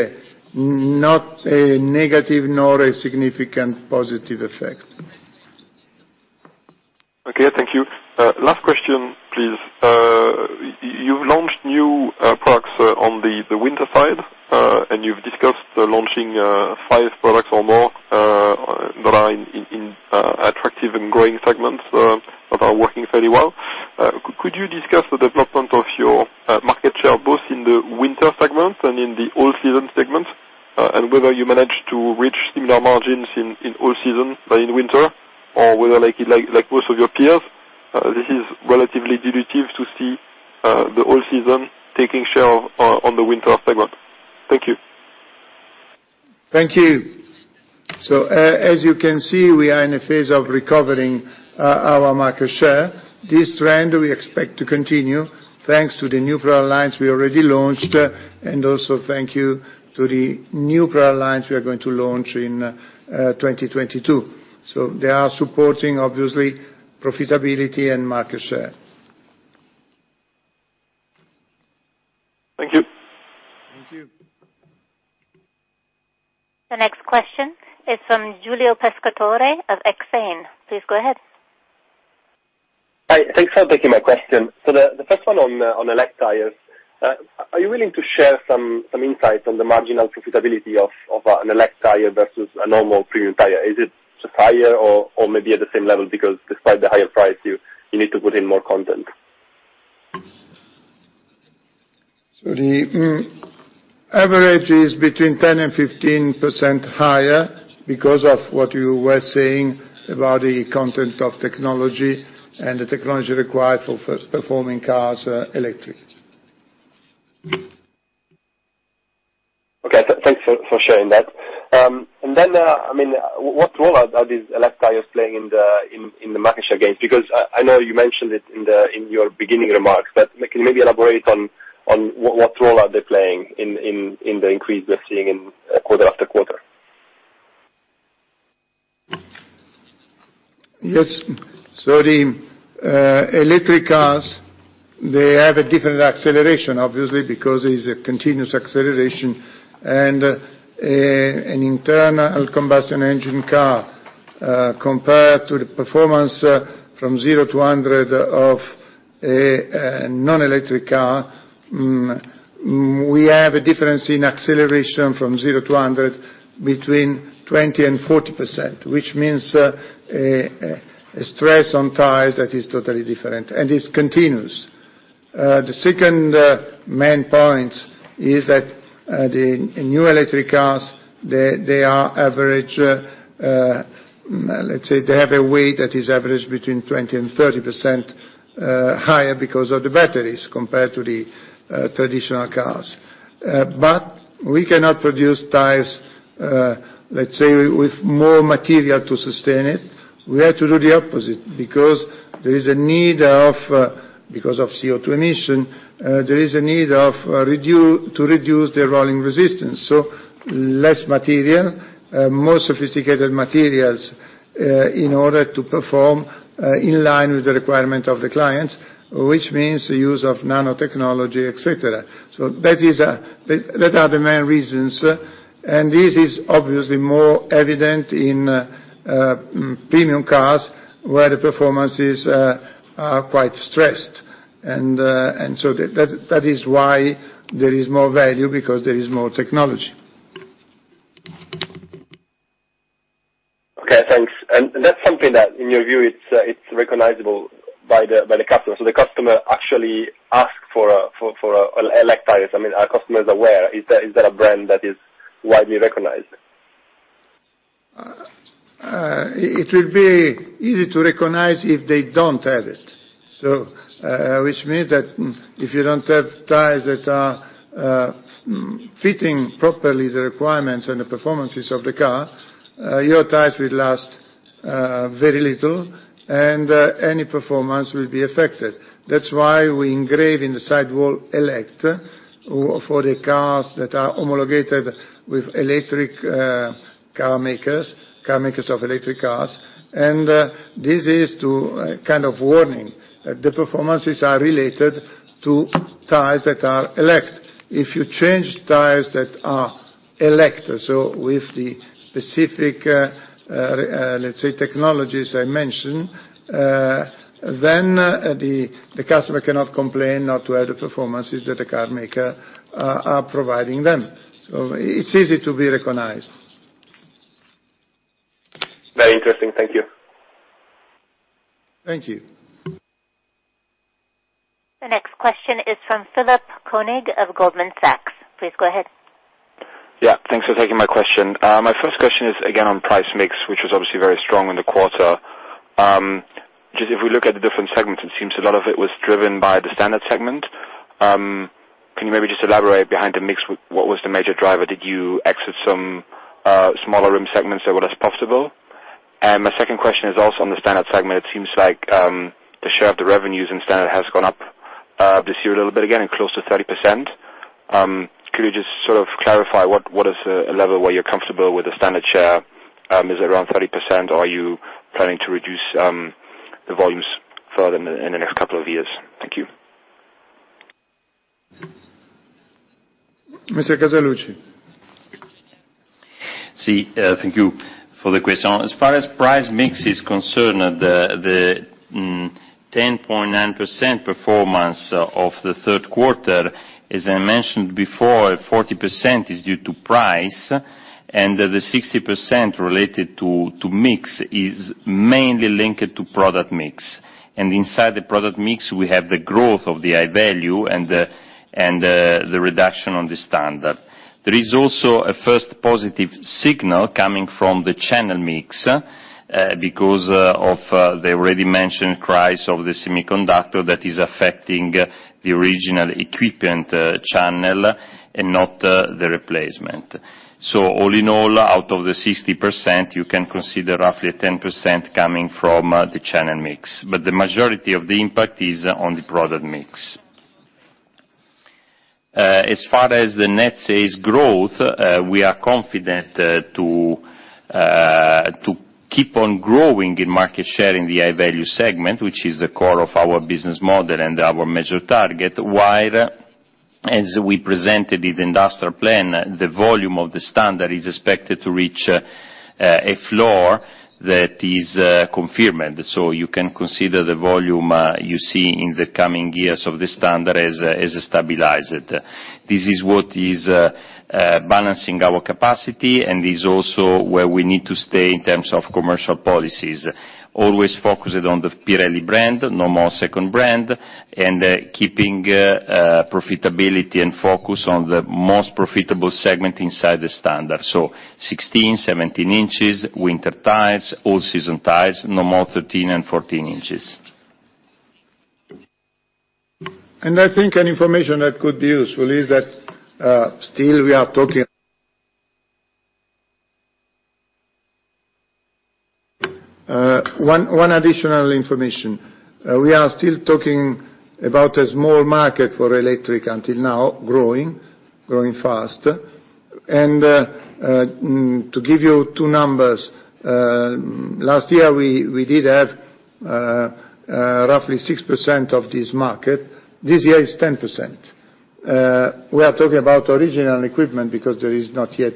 not a negative nor a significant positive effect. Okay, thank you. Last question, please. You've launched new products on the Winter side, and you've discussed launching five products or more that are in attractive and growing segments that are working fairly well. Could you discuss the development of your market share, both in the Winter segment and in the All-Season segment, and whether you managed to reach similar margins in All-Season by in Winter or whether, like most of your peers, this is relatively dilutive to see the all-season taking share on the Winter segment? Thank you. Thank you. As you can see, we are in a phase of recovering our market share. This trend we expect to continue thanks to the new product lines we already launched. Also, thanks to the new product lines we are going to launch in 2022. They are supporting obviously profitability and market share. Thank you. Thank you. The next question is from Giulio Pescatore of Exane. Please go ahead. Hi. Thanks for taking my question. The first one on ELECT tires. Are you willing to share some insight on the marginal profitability of an ELECT tire versus a normal premium tire? Is it just higher or maybe at the same level because despite the higher price you need to put in more content? The average is between 10% and 15% higher because of what you were saying about the content of technology and the technology required for performance cars, electric. Okay. Thanks for sharing that. I mean, what role are these ELECT tires playing in the market share gains? Because I know you mentioned it in your beginning remarks, but can you maybe elaborate on what role they are playing in the increase we're seeing quarter after quarter? Yes. The electric cars, they have a different acceleration, obviously, because it's a continuous acceleration and an internal combustion engine car compared to the performance from zero to 100 of a non-electric car. We have a difference in acceleration from zero to 100 between 20% and 40%, which means a stress on tires that is totally different, and it's continuous. The second main point is that the new electric cars, they are average. Let's say they have a weight that is averaged between 20% and 30% higher because of the batteries compared to the traditional cars. We cannot produce tires, let's say with more material to sustain it. We have to do the opposite because there is a need to, because of CO2 emission, there is a need to reduce the rolling resistance. Less material, more sophisticated materials, in order to perform in line with the requirement of the clients, which means the use of nanotechnology, et cetera. That are the main reasons. This is obviously more evident in premium cars where the performance is quite stressed. That is why there is more value, because there is more technology. Okay, thanks. That's something that in your view, it's recognizable by the customer. The customer actually asks for ELECT tires. I mean, are customers aware? Is that a brand that is widely recognized? It will be easy to recognize if they don't have it. Which means that if you don't have tires that are fitting properly the requirements and the performances of the car, your tires will last very little, and any performance will be affected. That's why we engrave in the sidewall Elect for the cars that are homologated with electric car makers of electric cars. This is to kind of warning. The performances are related to tires that are Elect. If you change tires that are Elect, so with the specific, let's say technologies I mentioned, then the customer cannot complain not to have the performances that the car maker are providing them. It's easy to be recognized. Interesting. Thank you. Thank you. The next question is from Philipp Koenig of Goldman Sachs. Please go ahead. Yeah, thanks for taking my question. My first question is again on price mix, which was obviously very strong in the quarter. Just if we look at the different segments, it seems a lot of it was driven by the Standard segment. Can you maybe just elaborate behind the mix? What was the major driver? Did you exit some smaller rim segments that were less profitable? My second question is also on the Standard segment. It seems like the share of the revenues in standard has gone up this year a little bit, again close to 30%. Could you just sort of clarify what is the level where you're comfortable with the standard share, is it around 30%, or are you planning to reduce the volumes further in the next couple of years? Thank you. Mr. Casaluci. Yes. Thank you for the question. As far as price mix is concerned, 10.9% performance of the third quarter, as I mentioned before, 40% is due to price and the 60% related to mix is mainly linked to product mix. Inside the product mix, we have the growth of the High Value and the reduction on the standard. There is also a first positive signal coming from the channel mix, because of the already mentioned shortage of the semiconductor that is affecting the original equipment channel and not the replacement. All in all, out of the 60%, you can consider roughly a 10% coming from the channel mix. The majority of the impact is on the product mix. As far as the net sales growth, we are confident to keep on growing in market share in the High Value segment, which is the core of our business model and our major target. While, as we presented in the industrial plan, the volume of the standard is expected to reach a floor that is confirmed. You can consider the volume you see in the coming years of the standard as stabilized. This is what is balancing our capacity and is also where we need to stay in terms of commercial policies. Always focused on the Pirelli brand, no more second brand, and keeping profitability and focus on the most profitable segment inside the Standard. 16, 17 in, Winter tires, All-Season tires, no more 13 and 14 inches. I think one additional information that could be useful is that we are still talking about a small market for electric until now, growing fast. To give you two numbers, last year we did have roughly 6% of this market. This year it's 10%. We are talking about original equipment because there is not yet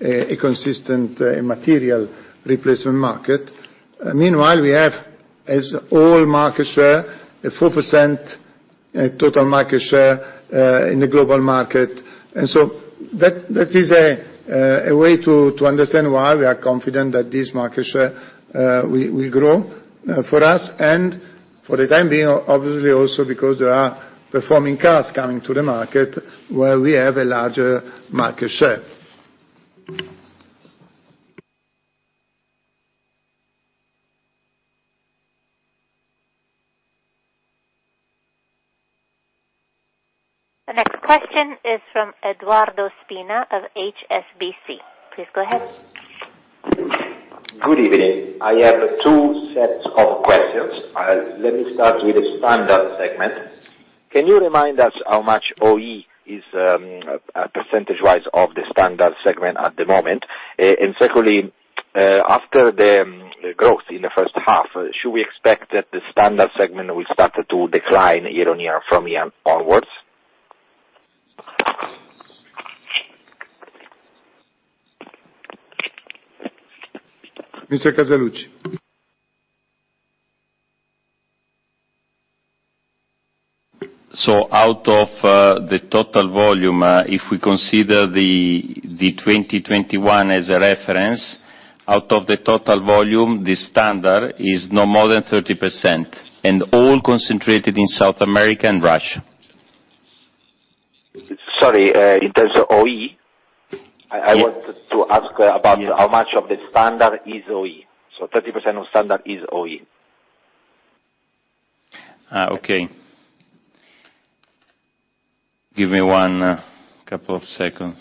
a consistent mature replacement market. Meanwhile, we have overall 4% total market share in the global market. That is a way to understand why we are confident that this market share will grow for us and for the time being, obviously also because there are performing cars coming to the market where we have a larger market share. The next question is from Edoardo Spina of HSBC. Please go ahead. Good evening. I have two sets of questions. Let me start with the Standard segment. Can you remind us how much OE is, percentage-wise of the Standard segment at the moment? Secondly, after the growth in the first half, should we expect that the Standard segment will start to decline year-on-year from here onwards? Mr. Casaluci. Out of the total volume, if we consider the 2021 as a reference, out of the total volume, the Standard is no more than 30% and all concentrated in South America and Russia. Sorry, in terms of OE. Yes. I want to ask about how much of the Standard is OE. 30% of Standard is OE. Okay. Give me a couple of seconds.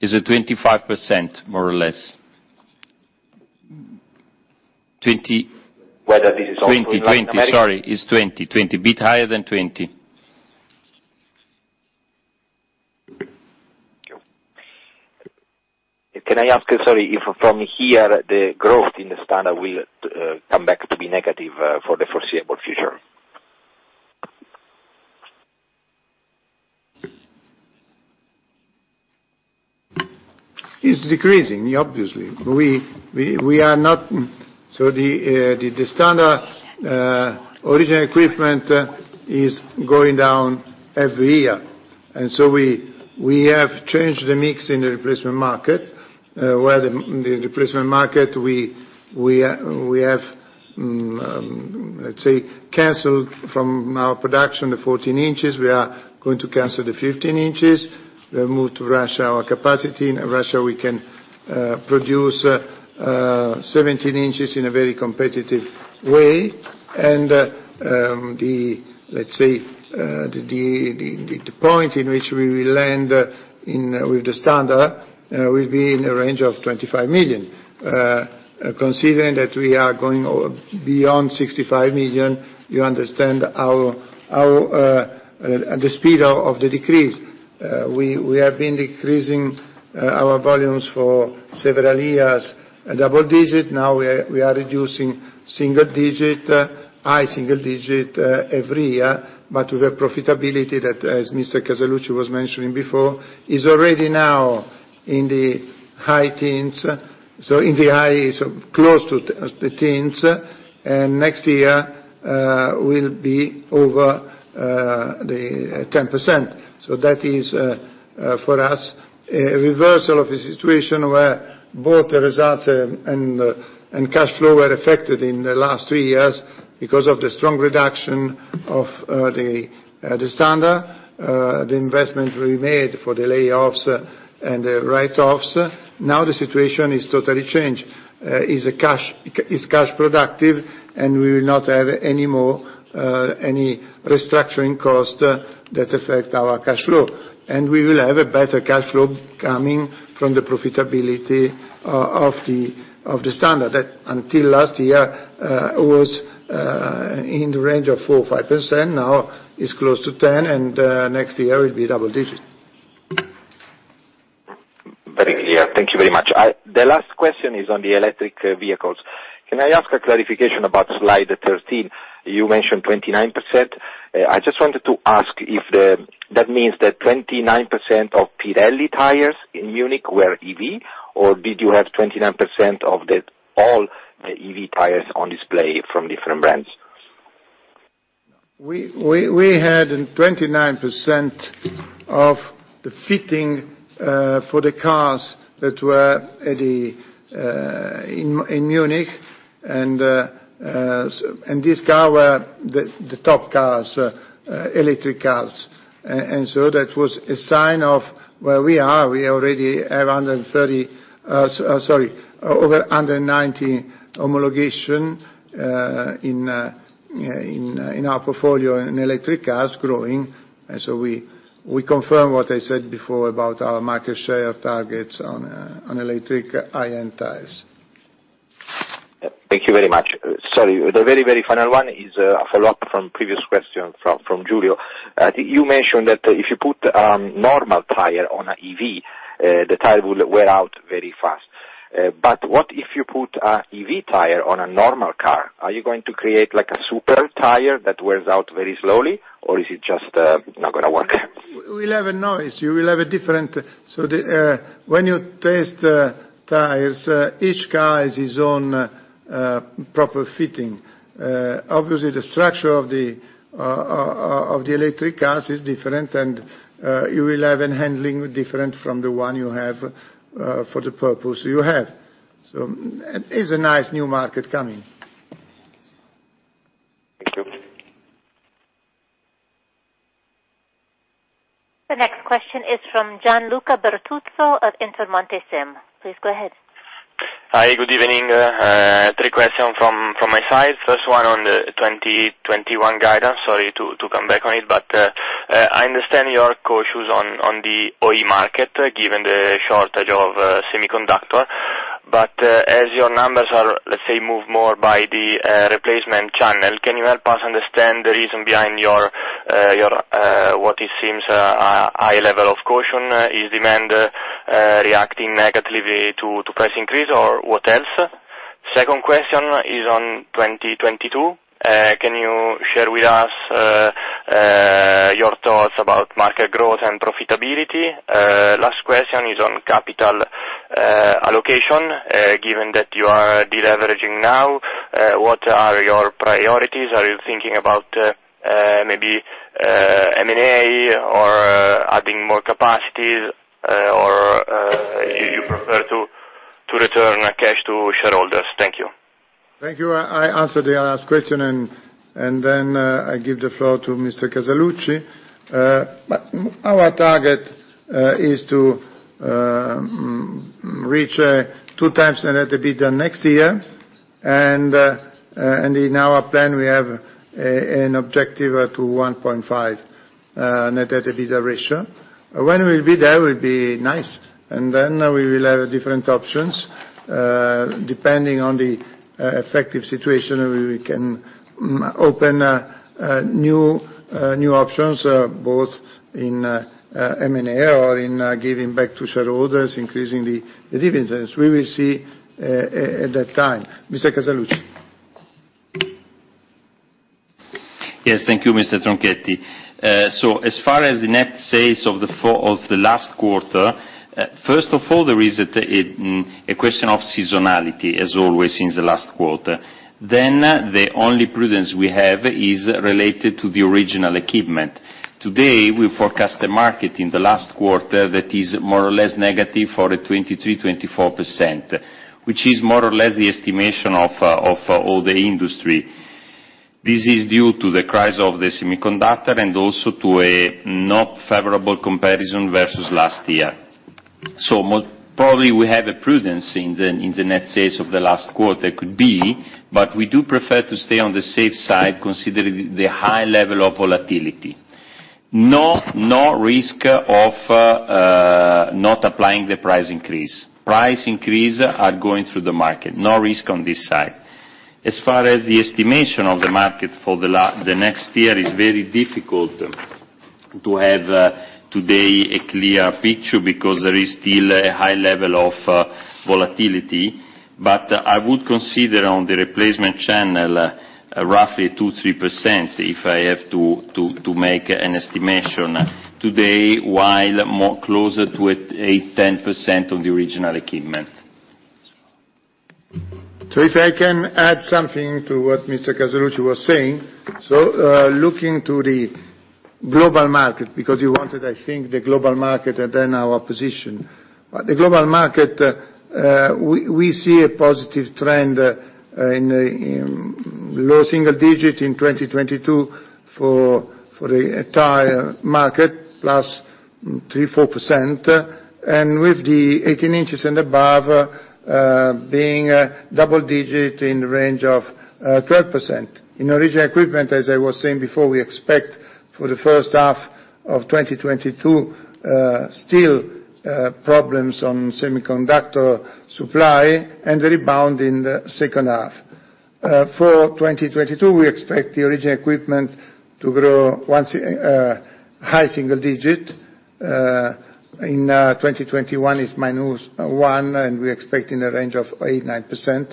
Is it 25% more or less? Whether this is also- Sorry, it's 20%, 20%. Bit higher than 20%. Thank you. Can I ask you, sorry, if from here the growth in the Standard will come back to be negative for the foreseeable future? It's decreasing, obviously. We are not. The standard original equipment is going down every year. We have changed the mix in the replacement market, where we have, let's say, canceled from our production the 14 in. We are going to cancel the 15 in. We have moved our capacity to Russia. In Russia we can produce 17 in in a very competitive way. The, let's say, the point in which we will land in with the standard will be in the range of 25 million. Considering that we are going over beyond 65 million, you understand the speed of our decrease. We have been decreasing our volumes for several years at double-digit. Now we are reducing single-digit, high-single-digit every year, but with a profitability that, as Mr. Casaluci was mentioning before, is already now in the high teens, close to the teens, and next year will be over the 10%. That is for us a reversal of a situation where both the results and cash flow were affected in the last three years because of the strong reduction of the standard, the investment we made for the layoffs and the write-offs. Now the situation is totally changed. It is cash productive, and we will not have any more restructuring costs that affect our cash flow. We will have a better cash flow coming from the profitability of the standard. Until last year, it was in the range of 4%-5%, now is close to 10% and next year will be double digits. Very clear. Thank you very much. The last question is on the electric vehicles. Can I ask a clarification about slide 13? You mentioned 29%. I just wanted to ask if that means that 29% of Pirelli tires in Munich were EV, or did you have 29% of all the EV tires on display from different brands? We had 29% of the fitting for the cars that were in Munich and these cars were the top cars electric cars. That was a sign of where we are. We already have 130, sorry, over 190 homologations in our portfolio in electric cars growing. We confirm what I said before about our market share targets on electric high-end tires. Thank you very much. Sorry, the very, very final one is a follow-up from previous question from Giulio. You mentioned that if you put normal tire on an EV, the tire will wear out very fast. But what if you put an EV tire on a normal car? Are you going to create like a super tire that wears out very slowly, or is it just not gonna work? We'll have a noise. You will have a different when you test tires, each car has its own proper fitting. Obviously, the structure of the electric cars is different, and you will have a handling different from the one you have for the purpose you have. It is a nice new market coming. Thank you. The next question is from Gianluca Bertuzzo of Intermonte SIM. Please go ahead. Hi, good evening. Three questions from my side. First one on the 2021 guidance. Sorry to come back on it, but I understand your cautions on the OE market, given the shortage of semiconductor. As your numbers are, let's say, moved more by the replacement channel, can you help us understand the reason behind your what it seems a high level of caution? Is demand reacting negatively to price increase or what else? Second question is on 2022. Can you share with us your thoughts about market growth and profitability? Last question is on capital allocation. Given that you are de-leveraging now, what are your priorities? Are you thinking about maybe M&A or adding more capacities, or you prefer to return cash to shareholders? Thank you. Thank you. I answer the last question and then I give the floor to Mr. Casaluci. Our target is to reach 2x net EBITDA next year. In our plan, we have an objective to 1.5 net EBITDA ratio. When we'll be there, it will be nice, and then we will have different options. Depending on the effective situation, we can maybe open new options both in M&A or in giving back to shareholders, increasing the dividends. We will see at that time. Mr. Casaluci. Yes. Thank you, Mr. Tronchetti. As far as the net sales of the last quarter, first of all, there is a question of seasonality as always since the last quarter. The only prudence we have is related to the original equipment. Today, we forecast the market in the last quarter that is more or less negative for -23%, -24%, which is more or less the estimation of all the industry. This is due to the crisis of the semiconductor and also to a not favorable comparison versus last year. Most probably, we have a prudence in the net sales of the last quarter could be, but we do prefer to stay on the safe side considering the high level of volatility. No risk of not applying the price increase. Price increases are going through the market, no risk on this side. As far as the estimation of the market for the next year is very difficult to have today a clear picture because there is still a high level of volatility. I would consider on the replacement channel roughly 2%-3% if I have to make an estimation today, while much closer to 10% on the original equipment. If I can add something to what Mr. Casaluci was saying. Looking to the global market, because you wanted, I think, the global market and then our position. We see a positive trend in low-single-digit in 2022 for the entire market, +3%-4%, and with the 18 in and above being double-digit in the range of 12%. In original equipment, as I was saying before, we expect for the first half of 2022 still problems on semiconductor supply and the rebound in the second half. For 2022, we expect the original equipment to grow in a high-single-digit. In 2021, it's -1%, and we expect in the range of 8-9%.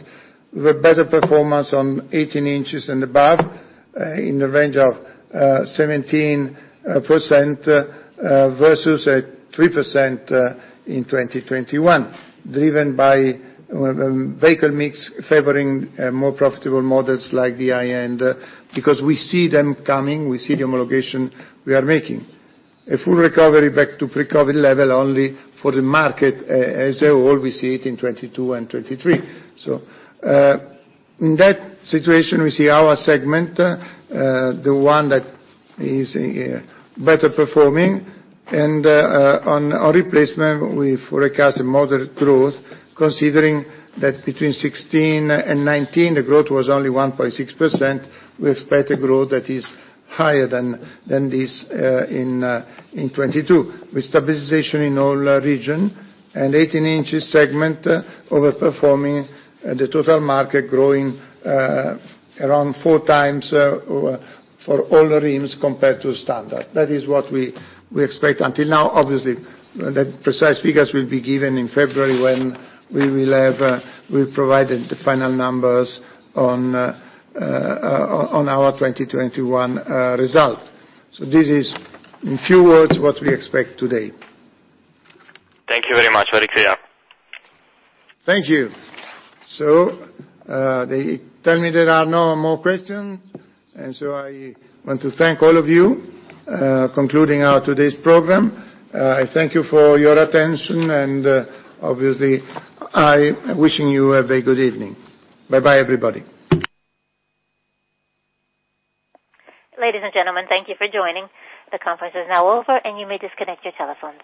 We have a better performance on 18 in and above in the range of 17% versus 3% in 2021, driven by vehicle mix favoring more profitable models like the high-end, because we see them coming, we see the homologation we are making. A full recovery back to pre-COVID level only for the market as a whole, we see it in 2022 and 2023. In that situation, we see our segment, the one that is better performing. On replacement, we forecast a moderate growth, considering that between 2016 and 2019, the growth was only 1.6%. We expect a growth that is higher than this in 2022. With stabilization in all regions and 18 in segment overperforming the total market growing around 4x for all rims compared to standard. That is what we expect until now, obviously. The precise figures will be given in February when we have provided the final numbers on our 2021 results. This is, in few words, what we expect today. Thank you very much. Very clear. Thank you. They tell me there are no more questions. I want to thank all of you, concluding our today's program. I thank you for your attention, and obviously, I am wishing you a very good evening. Bye-bye, everybody. Ladies and gentlemen, thank you for joining. The conference is now over, and you may disconnect your telephones.